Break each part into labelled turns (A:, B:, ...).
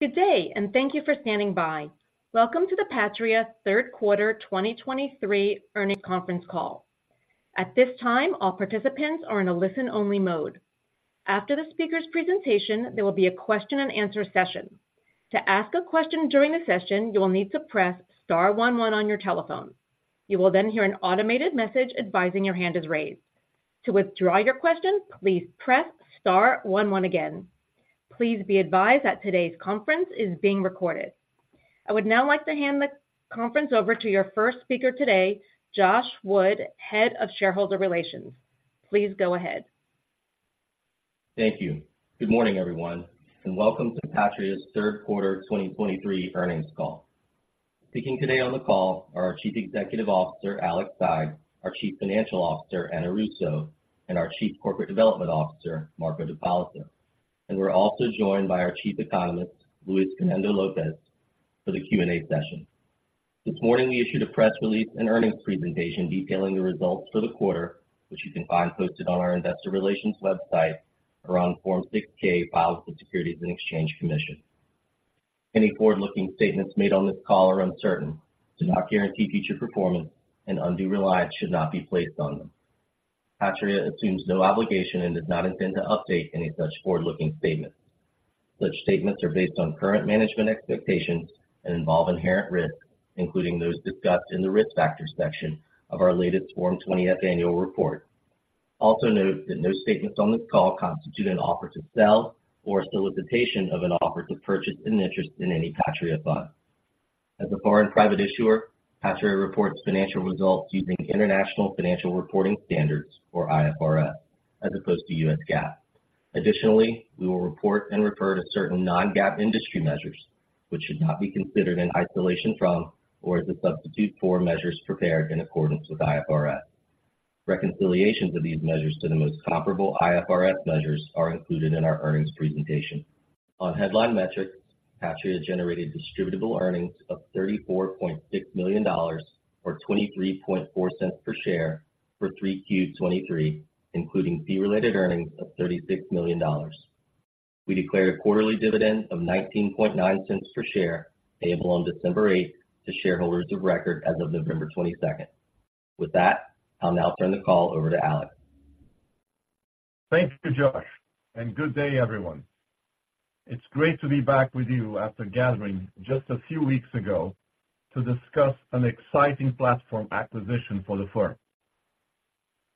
A: Good day, and thank you for standing by. Welcome to the Patria Third Quarter 2023 Earnings Conference Call. At this time, all participants are in a listen-only mode. After the speaker's presentation, there will be a question and answer session. To ask a question during the session, you will need to press star one one on your telephone. You will then hear an automated message advising your hand is raised. To withdraw your question, please press star one one again. Please be advised that today's conference is being recorded. I would now like to hand the conference over to your first speaker today, Josh Wood, Head of Shareholder Relations. Please go ahead.
B: Thank you. Good morning, everyone, and welcome to Patria's Third Quarter 2023 Earnings Call. Speaking today on the call are our Chief Executive Officer, Alex Saigh, our Chief Financial Officer, Ana Russo, and our Chief Corporate Development Officer, Marco D'Ippolito. We're also joined by our Chief Economist, Luis Fernando Lopez, for the Q&A session. This morning, we issued a press release and earnings presentation detailing the results for the quarter, which you can find posted on our investor relations website around Form 6-K, filed with the Securities and Exchange Commission. Any forward-looking statements made on this call are uncertain, do not guarantee future performance, and undue reliance should not be placed on them. Patria assumes no obligation and does not intend to update any such forward-looking statements. Such statements are based on current management expectations and involve inherent risks, including those discussed in the Risk Factors section of our latest Form 20-F. Also note that no statements on this call constitute an offer to sell or a solicitation of an offer to purchase an interest in any Patria fund. As a foreign private issuer, Patria reports financial results using International Financial Reporting Standards, or IFRS, as opposed to US GAAP. Additionally, we will report and refer to certain non-GAAP industry measures, which should not be considered in isolation from or as a substitute for measures prepared in accordance with IFRS. Reconciliations of these measures to the most comparable IFRS measures are included in our earnings presentation. On headline metrics, Patria generated distributable earnings of $34.6 million, or $0.234 per share for 3Q 2023, including fee-related earnings of $36 million. We declared a quarterly dividend of $0.199 per share, payable on December eighth to shareholders of record as of November 22nd. With that, I'll now turn the call over to Alex.
C: Thank you, Josh, and good day, everyone. It's great to be back with you after gathering just a few weeks ago to discuss an exciting platform acquisition for the firm.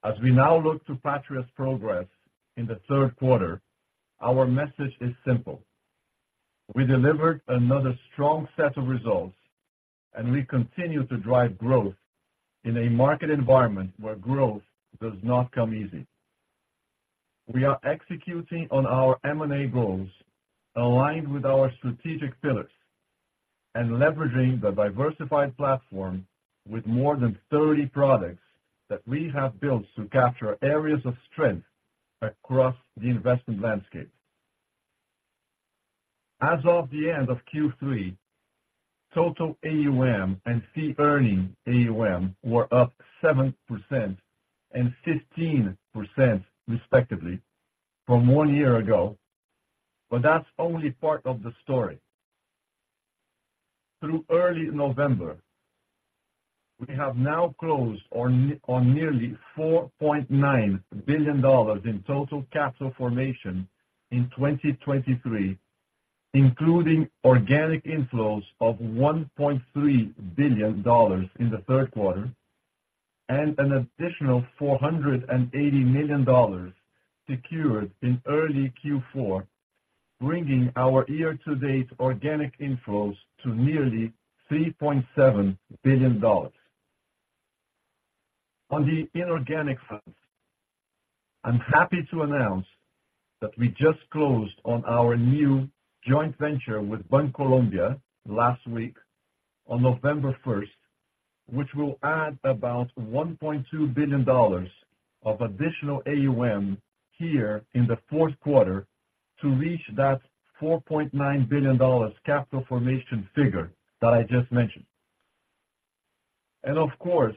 C: As we now look to Patria's progress in the third quarter, our message is simple. We delivered another strong set of results, and we continue to drive growth in a market environment where growth does not come easy. We are executing on our M&A goals, aligned with our strategic pillars and leveraging the diversified platform with more than 30 products that we have built to capture areas of strength across the investment landscape. As of the end of Q3, total AUM and fee-earning AUM were up 7% and 15%, respectively, from one year ago, but that's only part of the story. Through early November, we have now closed on nearly $4.9 billion in total capital formation in 2023, including organic inflows of $1.3 billion in the third quarter and an additional $480 million secured in early Q4, bringing our year-to-date organic inflows to nearly $3.7 billion. On the inorganic front, I'm happy to announce that we just closed on our new joint venture with Bancolombia last week on November 1, which will add about $1.2 billion of additional AUM here in the fourth quarter to reach that $4.9 billion capital formation figure that I just mentioned. Of course,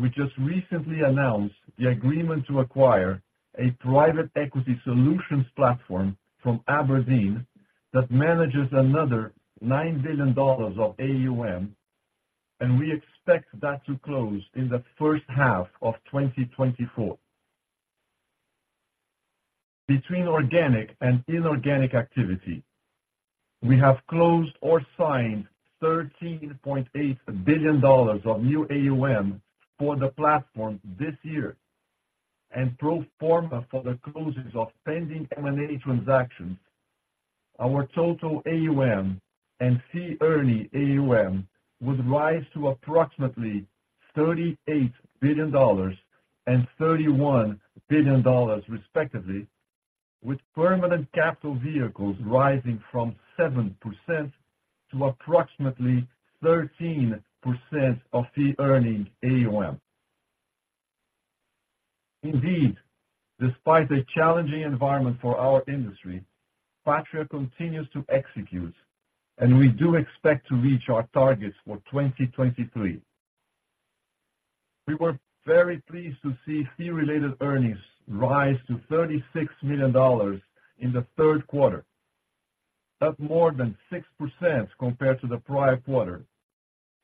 C: we just recently announced the agreement to acquire a private equity solutions platform from abrdn that manages another $9 billion of AUM, and we expect that to close in the first half of 2024. Between organic and inorganic activity, we have closed or signed $13.8 billion of new AUM for the platform this year. Pro forma for the closures of pending M&A transactions, our total AUM and fee earning AUM would rise to approximately $38 billion and $31 billion, respectively, with permanent capital vehicles rising from 7% to approximately 13% of fee earning AUM. Indeed, despite a challenging environment for our industry, Patria continues to execute, and we do expect to reach our targets for 2023. We were very pleased to see fee-related earnings rise to $36 million in the third quarter, up more than 6% compared to the prior quarter,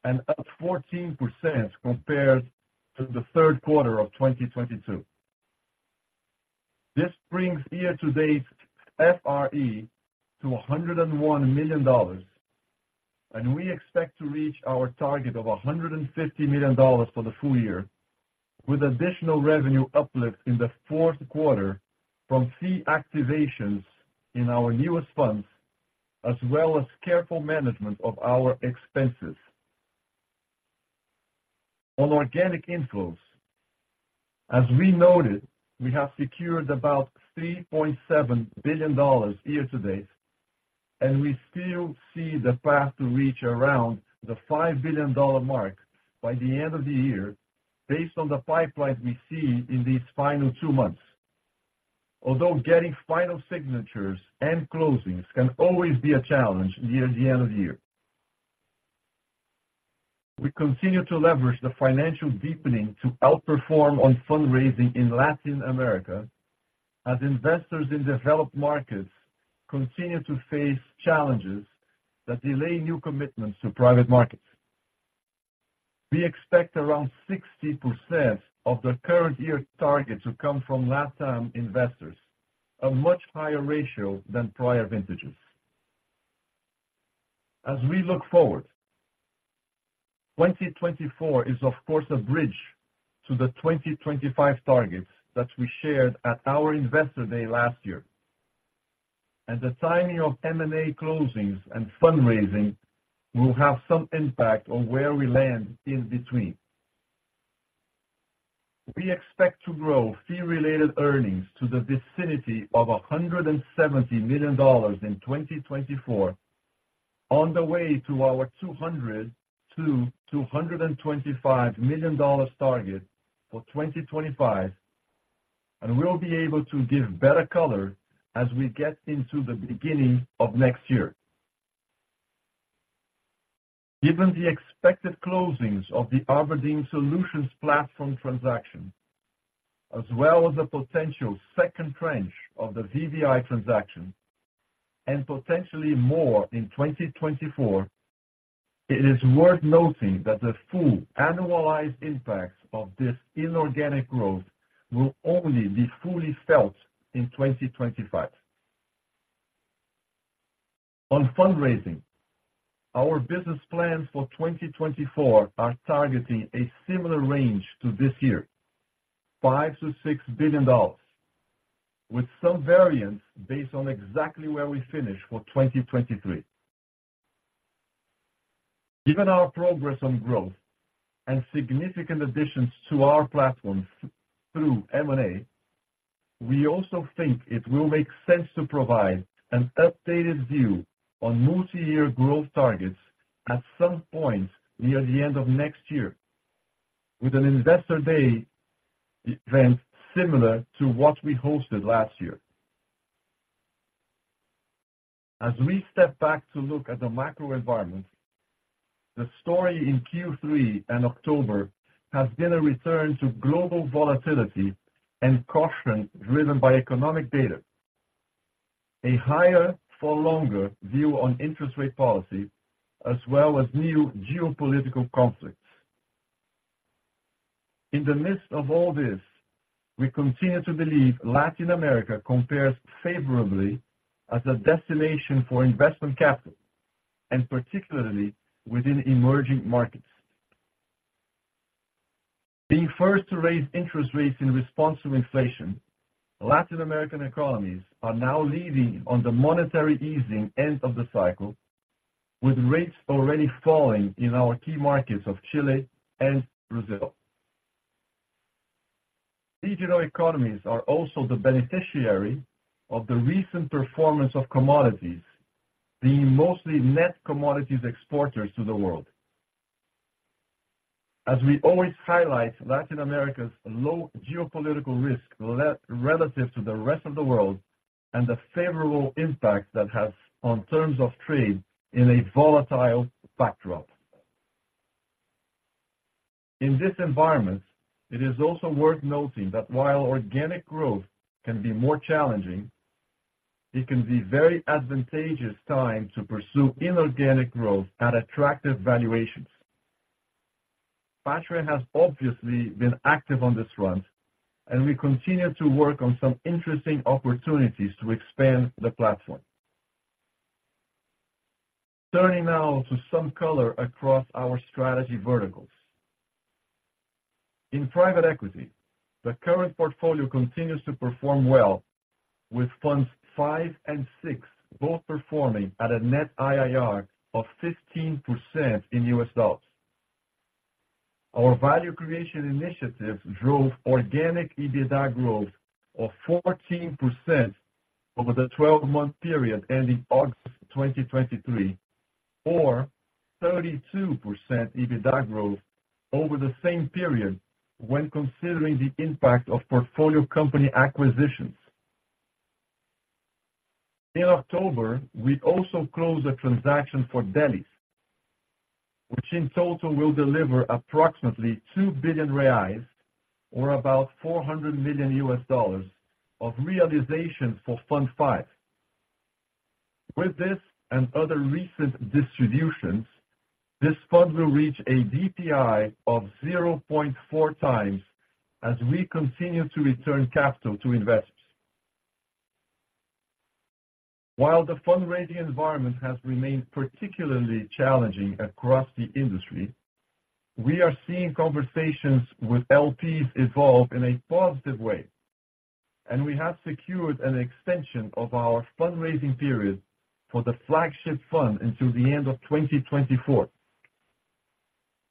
C: and up 14% compared to the third quarter of 2022. This brings year-to-date FRE to $101 million, and we expect to reach our target of $150 million for the full year, with additional revenue uplift in the fourth quarter from fee activations in our newest funds, as well as careful management of our expenses. On organic inflows, as we noted, we have secured about $3.7 billion year-to-date, and we still see the path to reach around the $5 billion mark by the end of the year, based on the pipeline we see in these final two months. Although getting final signatures and closings can always be a challenge near the end of the year. We continue to leverage the financial deepening to outperform on fundraising in Latin America, as investors in developed markets continue to face challenges that delay new commitments to private markets. We expect around 60% of the current year's target to come from LATAM investors, a much higher ratio than prior vintages. As we look forward, 2024 is, of course, a bridge to the 2025 targets that we shared at our Investor Day last year, and the timing of M&A closings and fundraising will have some impact on where we land in between. We expect to grow fee-related earnings to the vicinity of $170 million in 2024 on the way to our $200 million-$225 million target for 2025, and we'll be able to give better color as we get into the beginning of next year. Given the expected closings of the abrdn Solutions platform transaction, as well as a potential second tranche of the VBI transaction and potentially more in 2024, it is worth noting that the full annualized impacts of this inorganic growth will only be fully felt in 2025. On fundraising, our business plans for 2024 are targeting a similar range to this year, $5 billion-$6 billion, with some variance based on exactly where we finish for 2023. Given our progress on growth and significant additions to our platforms through M&A, we also think it will make sense to provide an updated view on multi-year growth targets at some point near the end of next year, with an Investor Day event similar to what we hosted last year. As we step back to look at the macro environment, the story in Q3 and October has been a return to global volatility and caution driven by economic data, a higher for longer view on interest rate policy, as well as new geopolitical conflicts. In the midst of all this, we continue to believe Latin America compares favorably as a destination for investment capital, and particularly within emerging markets. Being first to raise interest rates in response to inflation, Latin American economies are now leading on the monetary easing end of the cycle, with rates already falling in our key markets of Chile and Brazil. Regional economies are also the beneficiary of the recent performance of commodities, being mostly net commodities exporters to the world. As we always highlight, Latin America's low geopolitical risk relative to the rest of the world, and the favorable impact that has on terms of trade in a volatile backdrop. In this environment, it is also worth noting that while organic growth can be more challenging, it can be very advantageous time to pursue inorganic growth at attractive valuations. Patria has obviously been active on this front, and we continue to work on some interesting opportunities to expand the platform. Turning now to some color across our strategy verticals. In private equity, the current portfolio continues to perform well, with funds 5 and 6 both performing at a net IRR of 15% in US dollars. Our value creation initiatives drove organic EBITDA growth of 14% over the 12-month period ending August 2023, or 32% EBITDA growth over the same period when considering the impact of portfolio company acquisitions. In October, we also closed a transaction for Delly's, which in total will deliver approximately 2 billion reais, or about $400 million, of realization for Fund V. With this and other recent distributions, this fund will reach a DPI of 0.4x as we continue to return capital to investors. While the fundraising environment has remained particularly challenging across the industry, we are seeing conversations with LPs evolve in a positive way, and we have secured an extension of our fundraising period for the flagship fund until the end of 2024.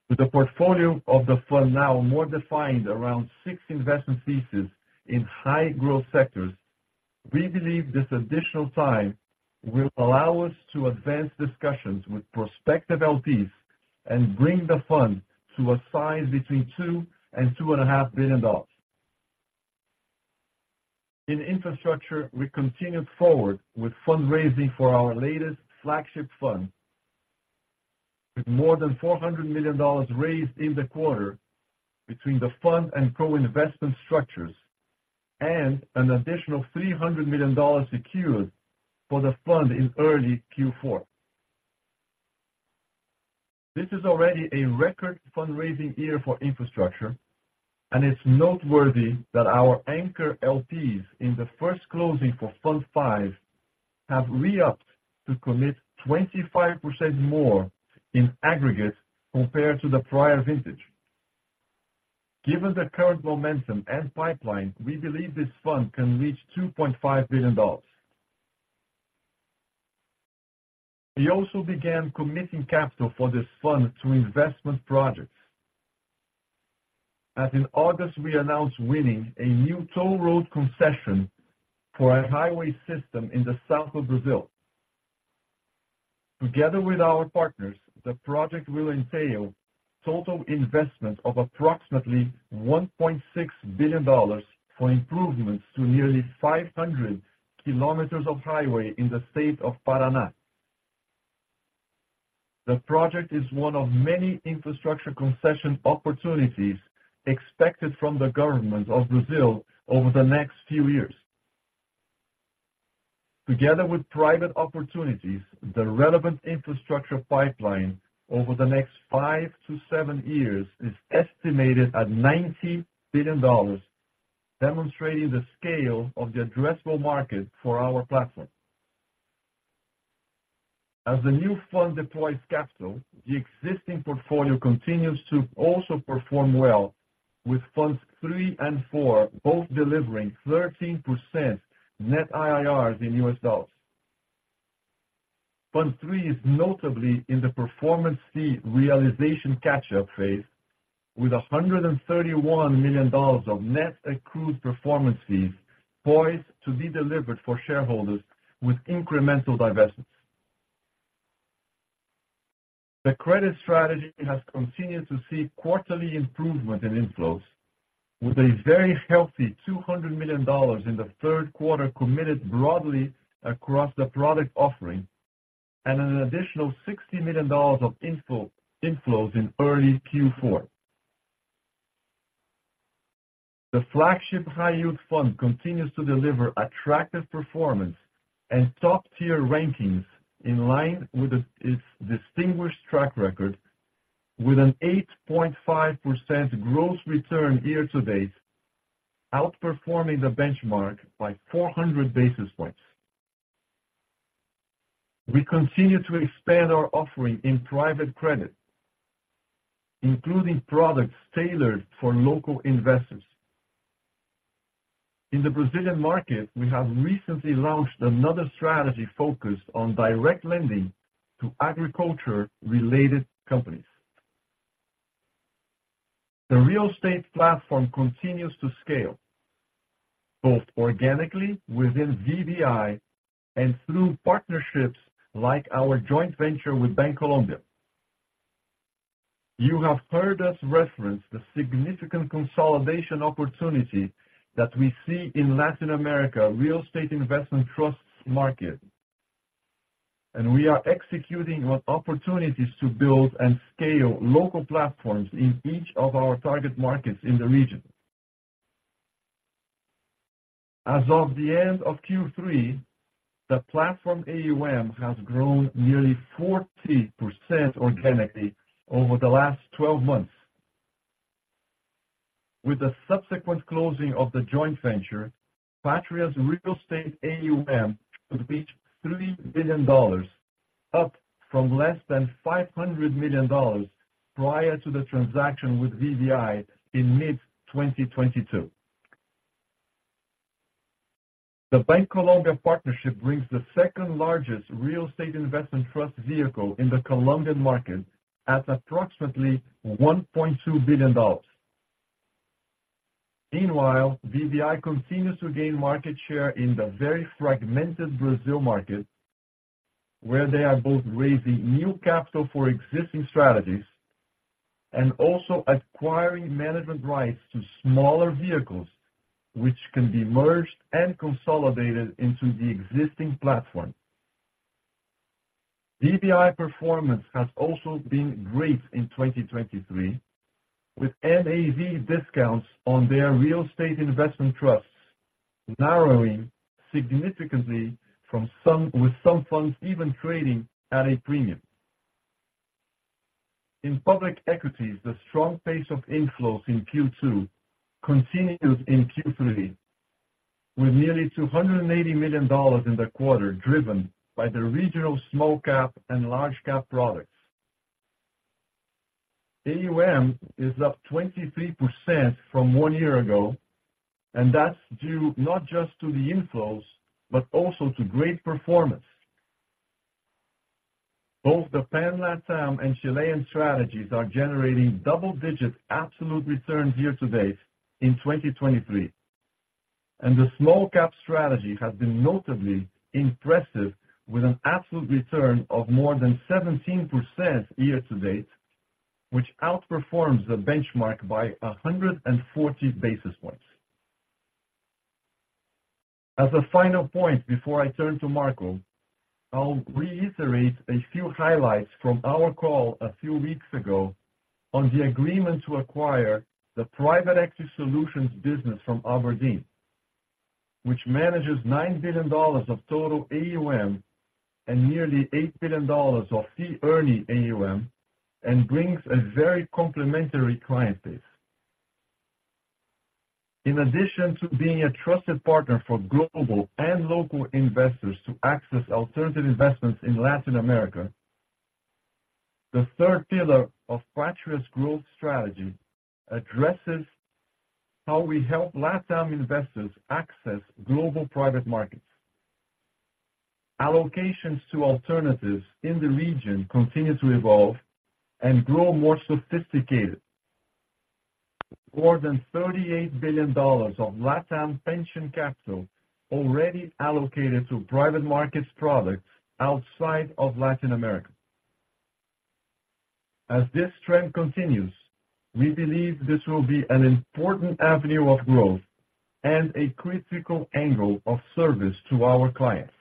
C: With the portfolio of the fund now more defined around six investment theses in high growth sectors, we believe this additional time will allow us to advance discussions with prospective LPs and bring the fund to a size between $2 billion and $2.5 billion. In infrastructure, we continued forward with fundraising for our latest flagship fund, with more than $400 million raised in the quarter between the fund and co-investment structures, and an additional $300 million secured for the fund in early Q4. This is already a record fundraising year for infrastructure, and it's noteworthy that our anchor LPs in the first closing for Fund five, have re-upped to commit 25% more in aggregate compared to the prior vintage. Given the current momentum and pipeline, we believe this fund can reach $2.5 billion. We also began committing capital for this fund to investment projects, as in August, we announced winning a new toll road concession for a highway system in the south of Brazil. Together with our partners, the project will entail total investment of approximately $1.6 billion for improvements to nearly 500 kilometers of highway in the state of Paraná. The project is one of many infrastructure concession opportunities expected from the government of Brazil over the next few years. Together with private opportunities, the relevant infrastructure pipeline over the next five-seven years is estimated at $90 billion, demonstrating the scale of the addressable market for our platform. As the new fund deploys capital, the existing portfolio continues to also perform well, with Funds 3 and 4, both delivering 13% net IRRs in US dollars. Fund 3 is notably in the performance fee realization catch-up phase, with $131 million of net accrued performance fees poised to be delivered for shareholders with incremental divestments. The credit strategy has continued to see quarterly improvement in inflows, with a very healthy $200 million in the third quarter, committed broadly across the product offering, and an additional $60 million of inflow in early Q4. The flagship high yield fund continues to deliver attractive performance and top-tier rankings in line with its distinguished track record, with an 8.5% gross return year to date, outperforming the benchmark by 400 basis points. We continue to expand our offering in private credit, including products tailored for local investors. In the Brazilian market, we have recently launched another strategy focused on direct lending to agriculture-related companies. The real estate platform continues to scale, both organically within VBI and through partnerships like our joint venture with Bancolombia. You have heard us reference the significant consolidation opportunity that we see in Latin America real estate investment trusts market, and we are executing on opportunities to build and scale local platforms in each of our target markets in the region. As of the end of Q3, the platform AUM has grown nearly 40% organically over the last 12 months. With the subsequent closing of the joint venture, Patria's real estate AUM could reach $3 billion, up from less than $500 million prior to the transaction with VBI in mid-2022. The Bancolombia partnership brings the second-largest real estate investment trust vehicle in the Colombian market at approximately $1.2 billion. Meanwhile, VBI continues to gain market share in the very fragmented Brazil market, where they are both raising new capital for existing strategies and also acquiring management rights to smaller vehicles, which can be merged and consolidated into the existing platform. VBI performance has also been great in 2023, with NAV discounts on their real estate investment trusts narrowing significantly, with some funds even trading at a premium. In public equities, the strong pace of inflows in Q2 continued in Q3, with nearly $280 million in the quarter, driven by the regional small cap and large cap products. AUM is up 23% from one year ago, and that's due not just to the inflows, but also to great performance. Both the Pan LATAM and Chilean strategies are generating double-digit absolute returns year to date in 2023, and the small cap strategy has been notably impressive, with an absolute return of more than 17% year to date, which outperforms the benchmark by 140 basis points. As a final point, before I turn to Marco, I'll reiterate a few highlights from our call a few weeks ago on the agreement to acquire the private equity solutions business from abrdn, which manages $9 billion of total AUM and nearly $8 billion of fee-earning AUM, and brings a very complementary client base. In addition to being a trusted partner for global and local investors to access alternative investments in Latin America, the third pillar of Patria's growth strategy addresses how we help LATAM investors access global private markets. Allocations to alternatives in the region continue to evolve and grow more sophisticated. More than $38 billion of LATAM pension capital already allocated to private markets products outside of Latin America. As this trend continues, we believe this will be an important avenue of growth and a critical angle of service to our clients.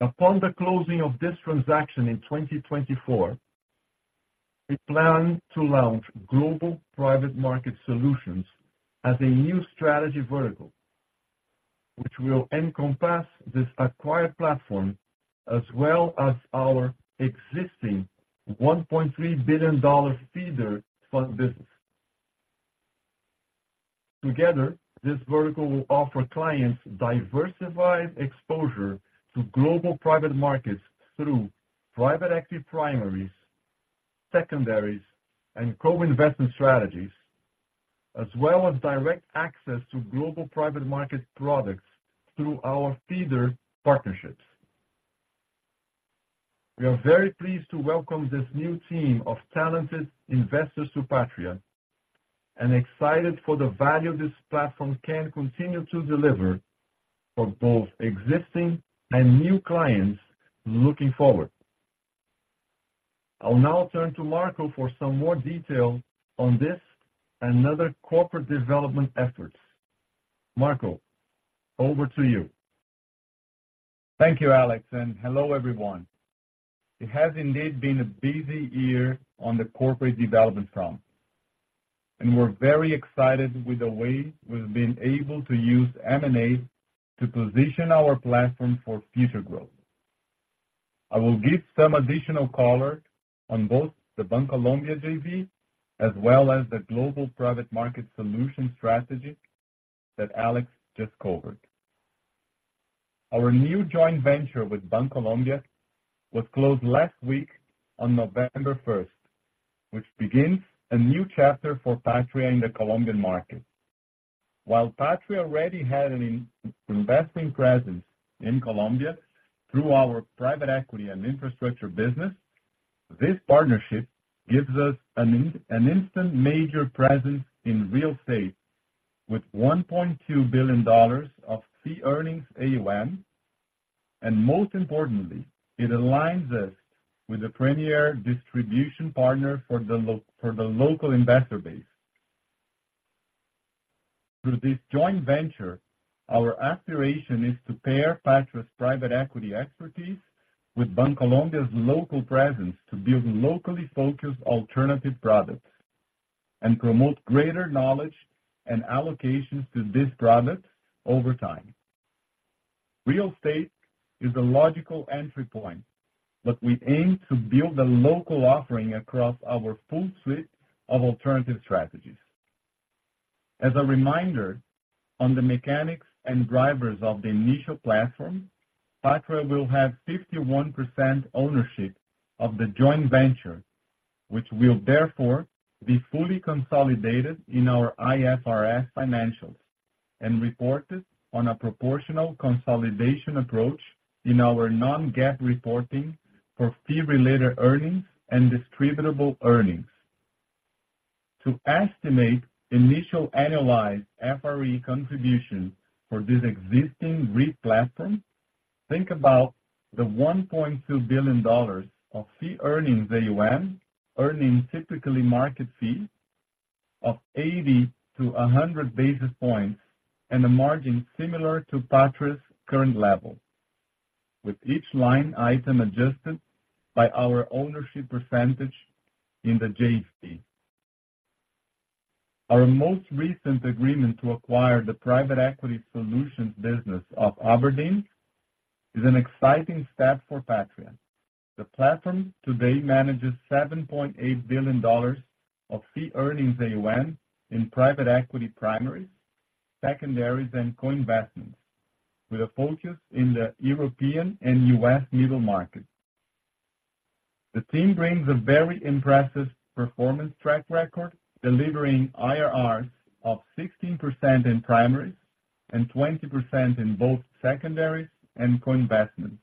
C: Upon the closing of this transaction in 2024, we plan to launch Global Private Markets Solutions as a new strategy vertical, which will encompass this acquired platform as well as our existing $1.3 billion feeder fund business. Together, this vertical will offer clients diversified exposure to global private markets through Private Equity primaries, secondaries, and co-investment strategies, as well as direct access to global private market products through our feeder partnerships. We are very pleased to welcome this new team of talented investors to Patria, and excited for the value this platform can continue to deliver for both existing and new clients looking forward. I'll now turn to Marco for some more detail on this and other corporate development efforts. Marco, over to you.
D: Thank you, Alex, and hello, everyone. It has indeed been a busy year on the corporate development front, and we're very excited with the way we've been able to use M&A to position our platform for future growth. I will give some additional color on both the Bancolombia JV as well as the global private market solution strategy that Alex just covered. Our new joint venture with Bancolombia was closed last week on November first, which begins a new chapter for Patria in the Colombian market. While Patria already had an investing presence in Colombia through our private equity and infrastructure business, this partnership gives us an instant major presence in real estate, with $1.2 billion of fee earnings AUM, and most importantly, it aligns us with a premier distribution partner for the local investor base. Through this joint venture, our aspiration is to pair Patria's private equity expertise with Bancolombia's local presence to build locally focused alternative products and promote greater knowledge and allocations to these products over time. Real estate is a logical entry point, but we aim to build a local offering across our full suite of alternative strategies. As a reminder, on the mechanics and drivers of the initial platform, Patria will have 51% ownership of the joint venture, which will therefore be fully consolidated in our IFRS financials and reported on a proportional consolidation approach in our non-GAAP reporting for fee-related earnings and distributable earnings.... To estimate initial annualized FRE contribution for this existing REIT platform, think about the $1.2 billion of fee earnings AUM, earning typically market fee of 80-100 basis points and a margin similar to Patria's current level, with each line item adjusted by our ownership percentage in the JV. Our most recent agreement to acquire the private equity solutions business of abrdn is an exciting step for Patria. The platform today manages $7.8 billion of fee earnings AUM in private equity primaries, secondaries, and coinvestments, with a focus in the European and U.S. middle market. The team brings a very impressive performance track record, delivering IRRs of 16% in primaries and 20% in both secondaries and coinvestments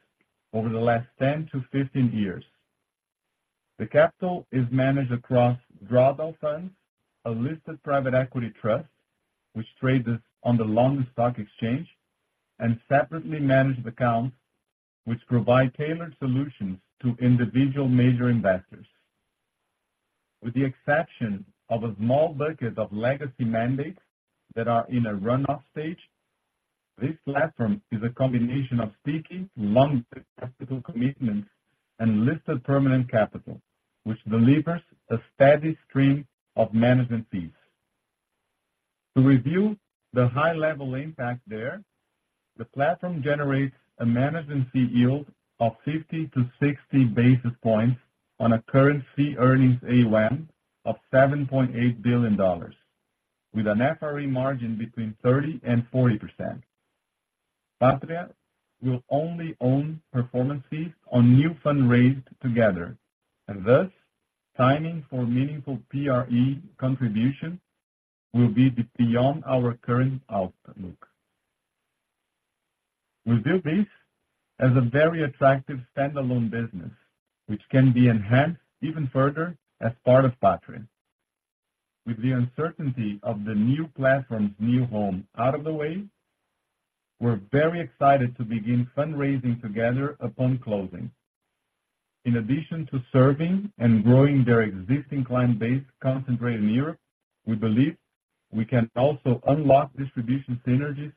D: over the last 10-15 years. The capital is managed across drawdown funds, a listed private equity trust, which trades on the London Stock Exchange, and separately managed accounts, which provide tailored solutions to individual major investors. With the exception of a small bucket of legacy mandates that are in a run-off stage, this platform is a combination of seeking long-term capital commitments and listed permanent capital, which delivers a steady stream of management fees. To review the high-level impact there, the platform generates a management fee yield of 50-60 basis points on a current fee earnings AUM of $7.8 billion, with an FRE margin between 30% and 40%. Patria will only own performance fees on new fund raised together, and thus, timing for meaningful PRE contribution will be beyond our current outlook. We view this as a very attractive standalone business, which can be enhanced even further as part of Patria. With the uncertainty of the new platform's new home out of the way, we're very excited to begin fundraising together upon closing. In addition to serving and growing their existing client base concentrated in Europe, we believe we can also unlock distribution synergies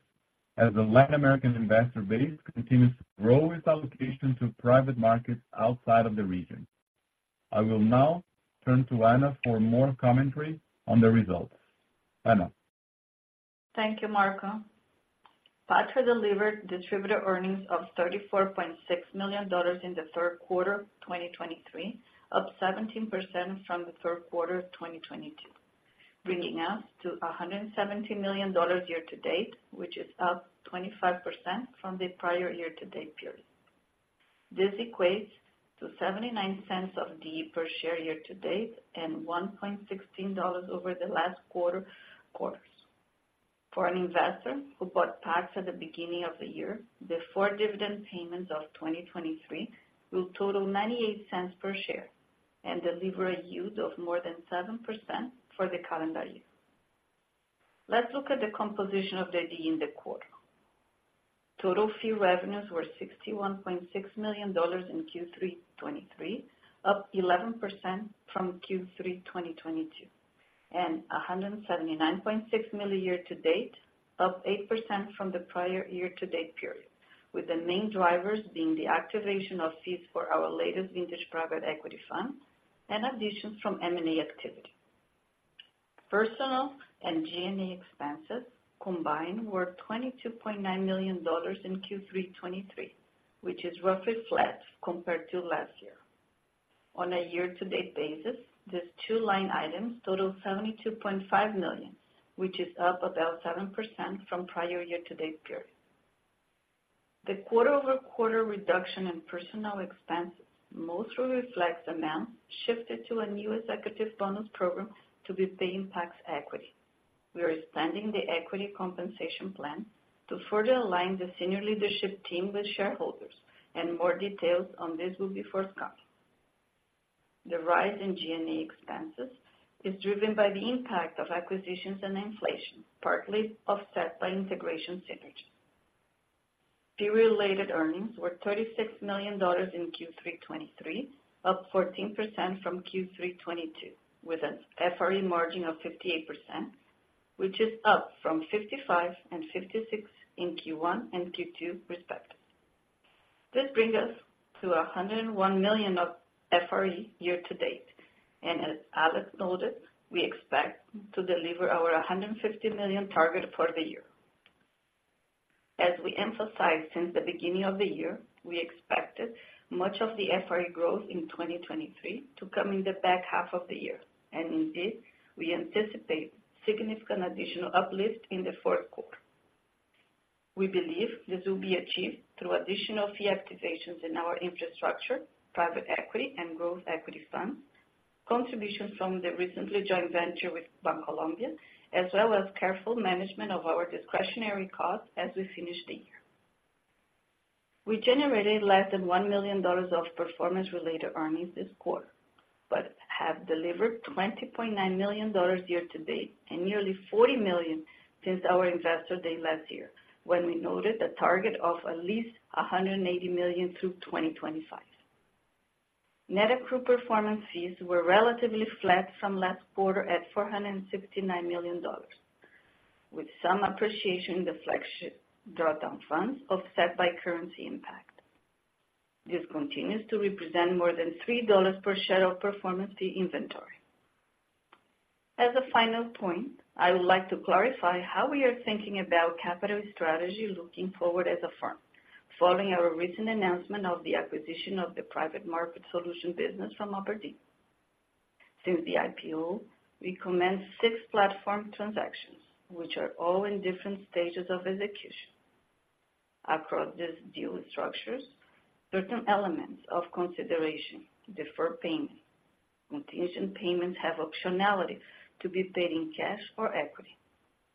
D: as the Latin American investor base continues to grow its allocation to private markets outside of the region. I will now turn to Ana for more commentary on the results. Ana?
E: Thank you, Marco. Patria delivered distributable earnings of $34.6 million in the third quarter of 2023, up 17% from the third quarter of 2022, bringing us to $170 million year-to-date, which is up 25% from the prior year-to-date period. This equates to $0.79 of D per share year-to-date, and $1.16 over the last four quarters. For an investor who bought PAX at the beginning of the year, the 4 dividend payments of 2023 will total $0.98 per share and deliver a yield of more than 7% for the calendar year. Let's look at the composition of the D in the quarter. Total fee revenues were $61.6 million in Q3 2023, up 11% from Q3 2022, and $179.6 million year-to-date, up 8% from the prior year-to-date period, with the main drivers being the activation of fees for our latest vintage private equity fund and additions from M&A activity. Personnel and G&A expenses combined were $22.9 million in Q3 2023, which is roughly flat compared to last year. On a year-to-date basis, these two line items total $72.5 million, which is up about 7% from prior year-to-date period. The quarter-over-quarter reduction in personnel expenses mostly reflects amounts shifted to a new executive bonus program to be paying PAX equity. We are expanding the equity compensation plan to further align the senior leadership team with shareholders, and more details on this will be forthcoming. The rise in G&A expenses is driven by the impact of acquisitions and inflation, partly offset by integration synergies. Fee-related earnings were $36 million in Q3 2023, up 14% from Q3 2022, with an FRE margin of 58%, which is up from 55% and 56% in Q1 and Q2, respectively. This brings us to $101 million of FRE year to date, and as Alex noted, we expect to deliver our $150 million target for the year. As we emphasized since the beginning of the year, we expected much of the FRE growth in 2023 to come in the back half of the year, and indeed, we anticipate significant additional uplift in the fourth quarter. We believe this will be achieved through additional fee activations in our infrastructure, private equity, and growth equity funds, contributions from the recently joint venture with Bancolombia, as well as careful management of our discretionary costs as we finish the year. We generated less than $1 million of performance-related earnings this quarter, but have delivered $20.9 million year to date, and nearly $40 million since our investor day last year, when we noted a target of at least $180 million through 2025. Net accrued performance fees were relatively flat from last quarter at $469 million, with some appreciation in the flagship drawdown funds offset by currency impact. This continues to represent more than $3 per share of performance fee inventory. As a final point, I would like to clarify how we are thinking about capital strategy looking forward as a firm, following our recent announcement of the acquisition of the private market solution business from abrdn. Since the IPO, we commenced six platform transactions, which are all in different stages of execution. Across these deal structures, certain elements of consideration, deferred payment, contingent payments have optionality to be paid in cash or equity.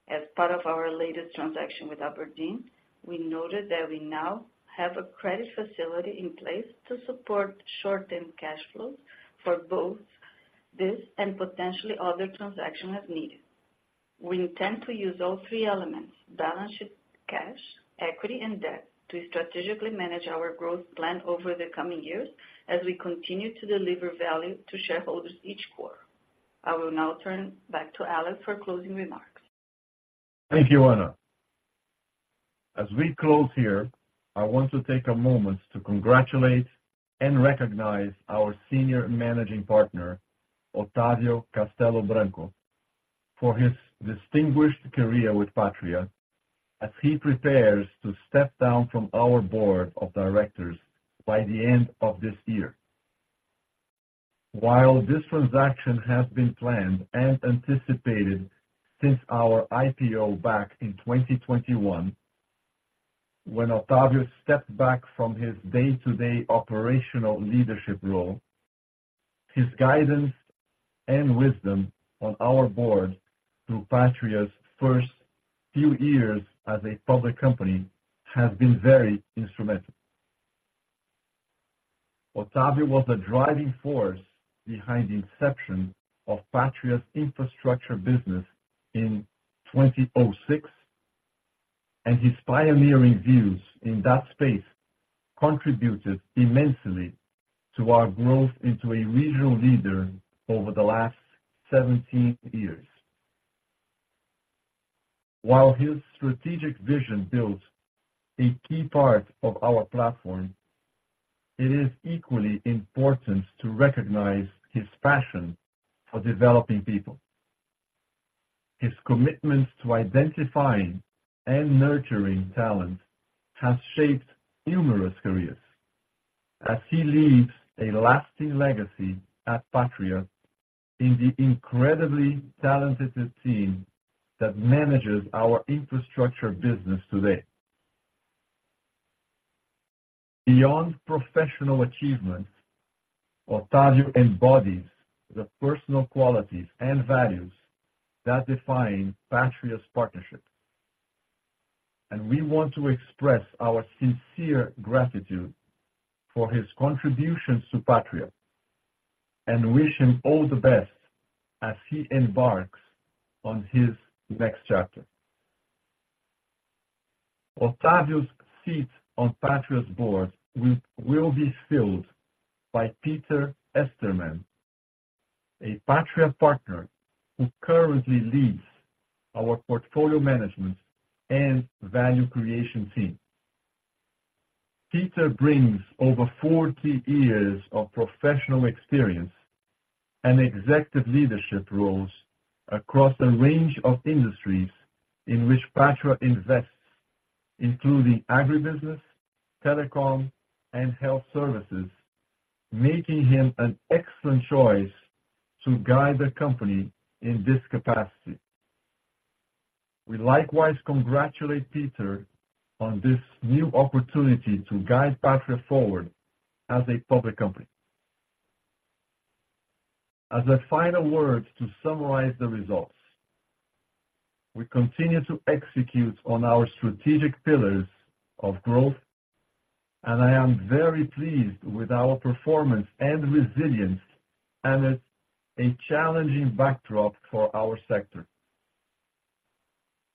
E: As part of our latest transaction with abrdn, we noted that we now have a credit facility in place to support short-term cash flows for both this and potentially other transactions as needed. We intend to use all three elements, balance sheet, cash, equity, and debt, to strategically manage our growth plan over the coming years as we continue to deliver value to shareholders each quarter. I will now turn back to Alex for closing remarks.
C: Thank you, Ana. As we close here, I want to take a moment to congratulate and recognize our Senior Managing Partner, Otavio Castello Branco, for his distinguished career with Patria, as he prepares to step down from our board of directors by the end of this year. While this transaction has been planned and anticipated since our IPO back in 2021, when Otavio stepped back from his day-to-day operational leadership role, his guidance and wisdom on our board through Patria's first few years as a public company has been very instrumental. Otavio was the driving force behind the inception of Patria's infrastructure business in 2006, and his pioneering views in that space contributed immensely to our growth into a regional leader over the last 17 years. While his strategic vision built a key part of our platform, it is equally important to recognize his passion for developing people. His commitment to identifying and nurturing talent has shaped numerous careers as he leaves a lasting legacy at Patria in the incredibly talented team that manages our infrastructure business today. Beyond professional achievements, Otavio embodies the personal qualities and values that define Patria's partnership, and we want to express our sincere gratitude for his contributions to Patria and wish him all the best as he embarks on his next chapter. Otavio's seat on Patria's board will be filled by Peter Estermann, a Patria partner who currently leads our portfolio management and value creation team. Peter brings over 40 years of professional experience and executive leadership roles across a range of industries in which Patria invests, including agribusiness, telecom, and health services, making him an excellent choice to guide the company in this capacity. We likewise congratulate Peter on this new opportunity to guide Patria forward as a public company. As a final word to summarize the results, we continue to execute on our strategic pillars of growth, and I am very pleased with our performance and resilience amid a challenging backdrop for our sector.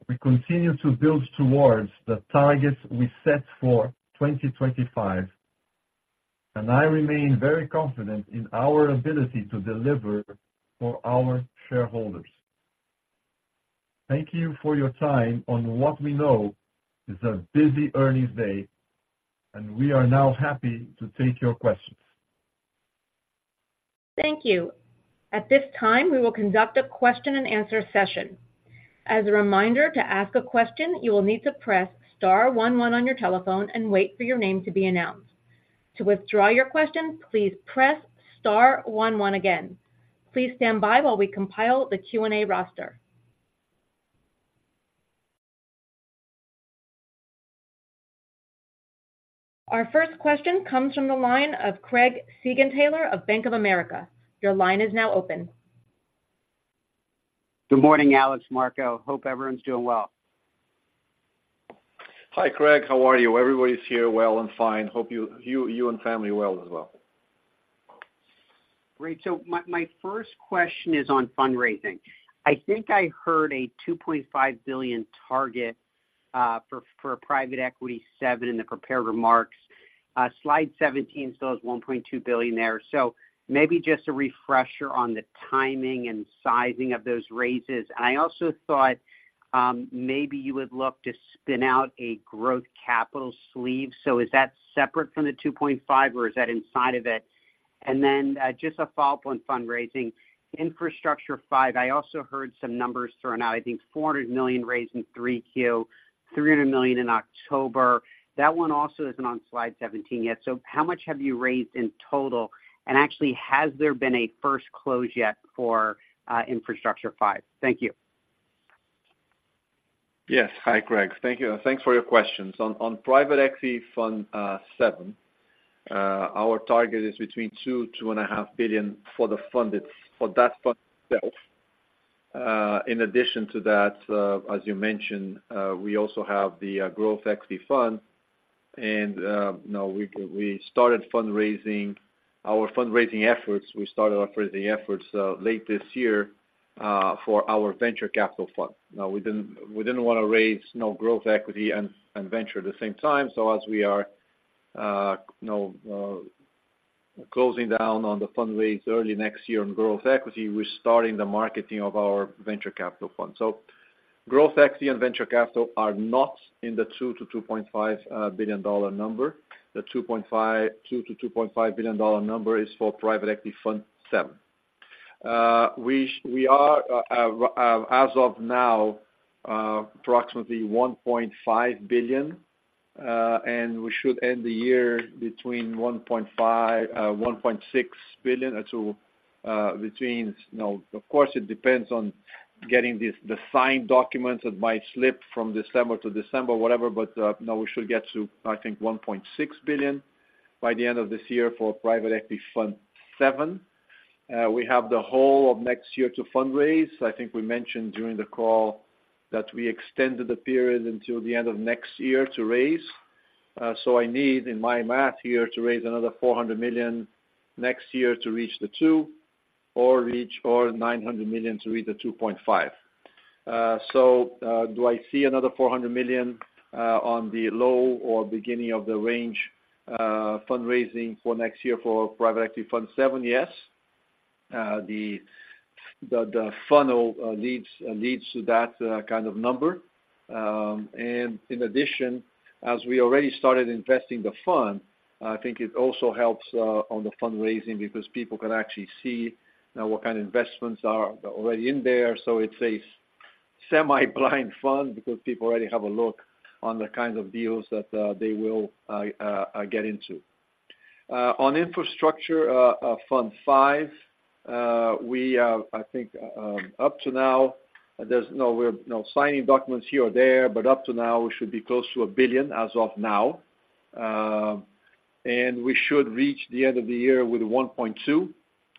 C: We continue to build towards the targets we set for 2025, and I remain very confident in our ability to deliver for our shareholders. Thank you for your time on what we know is a busy earnings day, and we are now happy to take your questions.
A: Thank you. At this time, we will conduct a question and answer session. As a reminder, to ask a question, you will need to press star one one on your telephone and wait for your name to be announced. To withdraw your question, please press star one one again. Please stand by while we compile the Q&A roster. Our first question comes from the line of Craig Siegenthaler of Bank of America. Your line is now open....
F: Good morning, Alex, Marco. Hope everyone's doing well.
C: Hi, Craig. How are you? Everybody's here well and fine. Hope you and family well as well.
F: Great. So my, my first question is on fundraising. I think I heard a $2.5 billion target for Private Equity VII in the prepared remarks. Slide 17 shows $1.2 billion there. So maybe just a refresher on the timing and sizing of those raises. And I also thought, maybe you would look to spin out a growth capital sleeve. So is that separate from the $2.5, or is that inside of it? And then, just a follow-up on fundraising. Infrastructure V, I also heard some numbers thrown out, I think $400 million raised in 3Q, $300 million in October. That one also isn't on slide 17 yet. So how much have you raised in total? And actually, has there been a first close yet for Infrastructure V? Thank you.
C: Yes. Hi, Craig. Thank you, and thanks for your questions. On Private Equity Fund VII, our target is between $2 billion-$2.5 billion for the fund, for that fund itself. In addition to that, as you mentioned, we also have the growth equity fund, and now we started our fundraising efforts late this year for our venture capital fund. Now, we didn't want to raise no growth equity and venture at the same time, so as we are, you know, closing down on the fundraise early next year on growth equity, we're starting the marketing of our venture capital fund. So growth equity and venture capital are not in the $2 billion-$2.5 billion dollar number. The $2 billion-$2.5 billion number is for Private Equity Fund VII. We are, as of now, approximately $1.5 billion, and we should end the year between $1.5 billion-$1.6 billion to, between, you know, of course, it depends on getting these, the signed documents. It might slip from December to December, whatever, but, now we should get to, I think, $1.6 billion by the end of this year for Private Equity Fund VII. We have the whole of next year to fundraise. I think we mentioned during the call that we extended the period until the end of next year to raise. So I need, in my math here, to raise another $400 million next year to reach the $2 billion or reach, or $900 million to reach the $2.5 billion. So, do I see another $400 million, on the low or beginning of the range, fundraising for next year for Private Equity Fund VII? Yes. The funnel leads to that kind of number. And in addition, as we already started investing the fund, I think it also helps on the fundraising because people can actually see, you know, what kind of investments are already in there. So it's a semi-blind fund because people already have a look on the kinds of deals that they will get into. On Infrastructure Fund V, we, I think, up to now, there's no, we're, you know, signing documents here or there, but up to now, we should be close to $1 billion as of now. And we should reach the end of the year with $1.2 billion.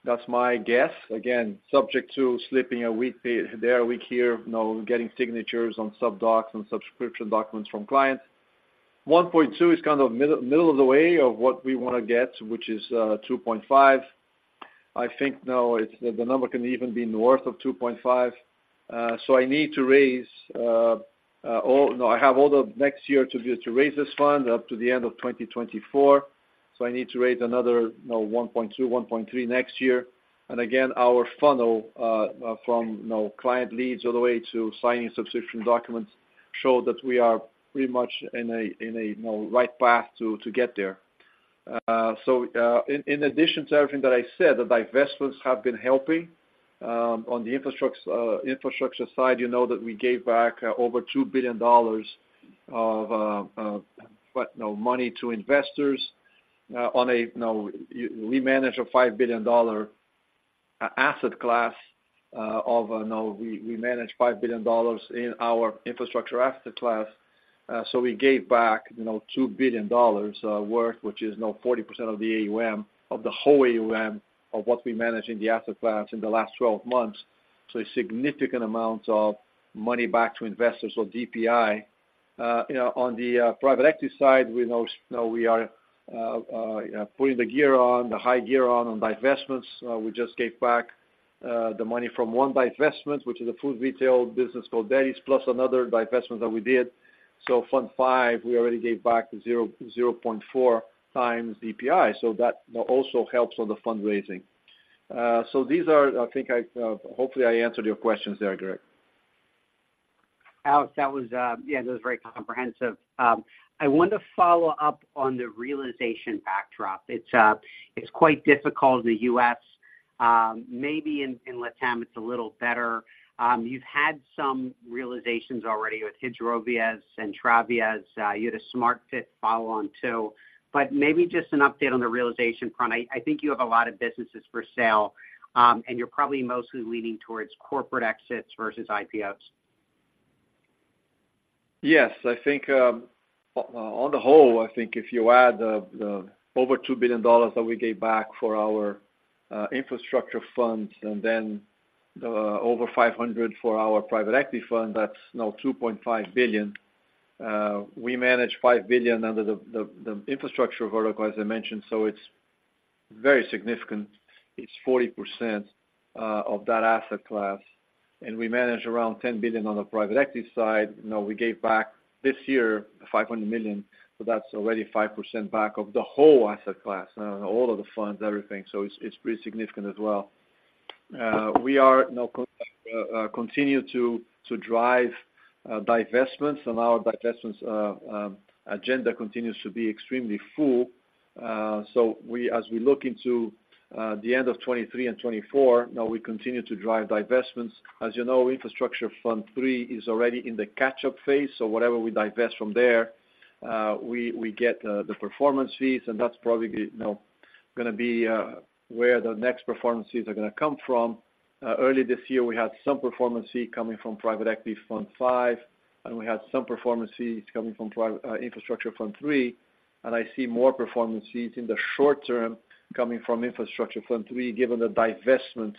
C: That's my guess. Again, subject to slipping a week there, a week here, you know, getting signatures on subdocs and subscription documents from clients. $1.2 billion is kind of middle, middle of the way of what we want to get, which is $2.5 billion. I think now it's, the number can even be north of $2.5 billion. So I need to raise, oh, no, I have all of next year to raise this fund up to the end of 2024. So I need to raise another, you know, $1.2 billion-$1.3 billion next year. Again, our funnel from, you know, client leads all the way to signing subscription documents show that we are pretty much in a you know right path to get there. In addition to everything that I said, the divestments have been helping. On the infrastructure side, you know that we gave back over $2 billion of money to investors, you know, on a we manage a $5 billion asset class, now we manage $5 billion in our infrastructure asset class. So we gave back, you know, $2 billion worth, which is now 40% of the AUM, of the whole AUM, of what we manage in the asset class in the last 12 months. So a significant amount of money back to investors or DPI. You know, on the private equity side, we know, you know, we are putting the gear on, the high gear on, on divestments. We just gave back the money from one divestment, which is a food retail business called Denny's, plus another divestment that we did. So Fund V, we already gave back 0.4 times DPI, so that also helps on the fundraising. So these are... I think I, hopefully, I answered your questions there, Craig.
F: Alex, that was, yeah, that was very comprehensive. I want to follow up on the realization backdrop. It's quite difficult in the US. Maybe in LATAM, it's a little better. You've had some realizations already with Hidrovia and Entrevias. You had a Smart Fit follow-on, too. But maybe just an update on the realization front. I think you have a lot of businesses for sale, and you're probably mostly leaning towards corporate exits versus IPOs....
C: Yes, I think, on the whole, I think if you add the over $2 billion that we gave back for our infrastructure funds and then over $500 million for our private equity fund, that's now $2.5 billion. We manage $5 billion under the infrastructure vertical, as I mentioned, so it's very significant. It's 40% of that asset class, and we manage around $10 billion on the private equity side. Now, we gave back this year, $500 million, so that's already 5% back of the whole asset class, all of the funds, everything. So it's pretty significant as well. We are now continue to drive divestments, and our divestments agenda continues to be extremely full. So, as we look into the end of 2023 and 2024, we continue to drive divestments. As you know, Infrastructure Fund III is already in the catch-up phase, so whatever we divest from there, we get the performance fees, and that's probably, you know, gonna be where the next performances are gonna come from. Early this year, we had some performance fee coming from Private Equity Fund V, and we had some performance fees coming from Infrastructure Fund III, and I see more performance fees in the short term coming from Infrastructure Fund III, given the divestment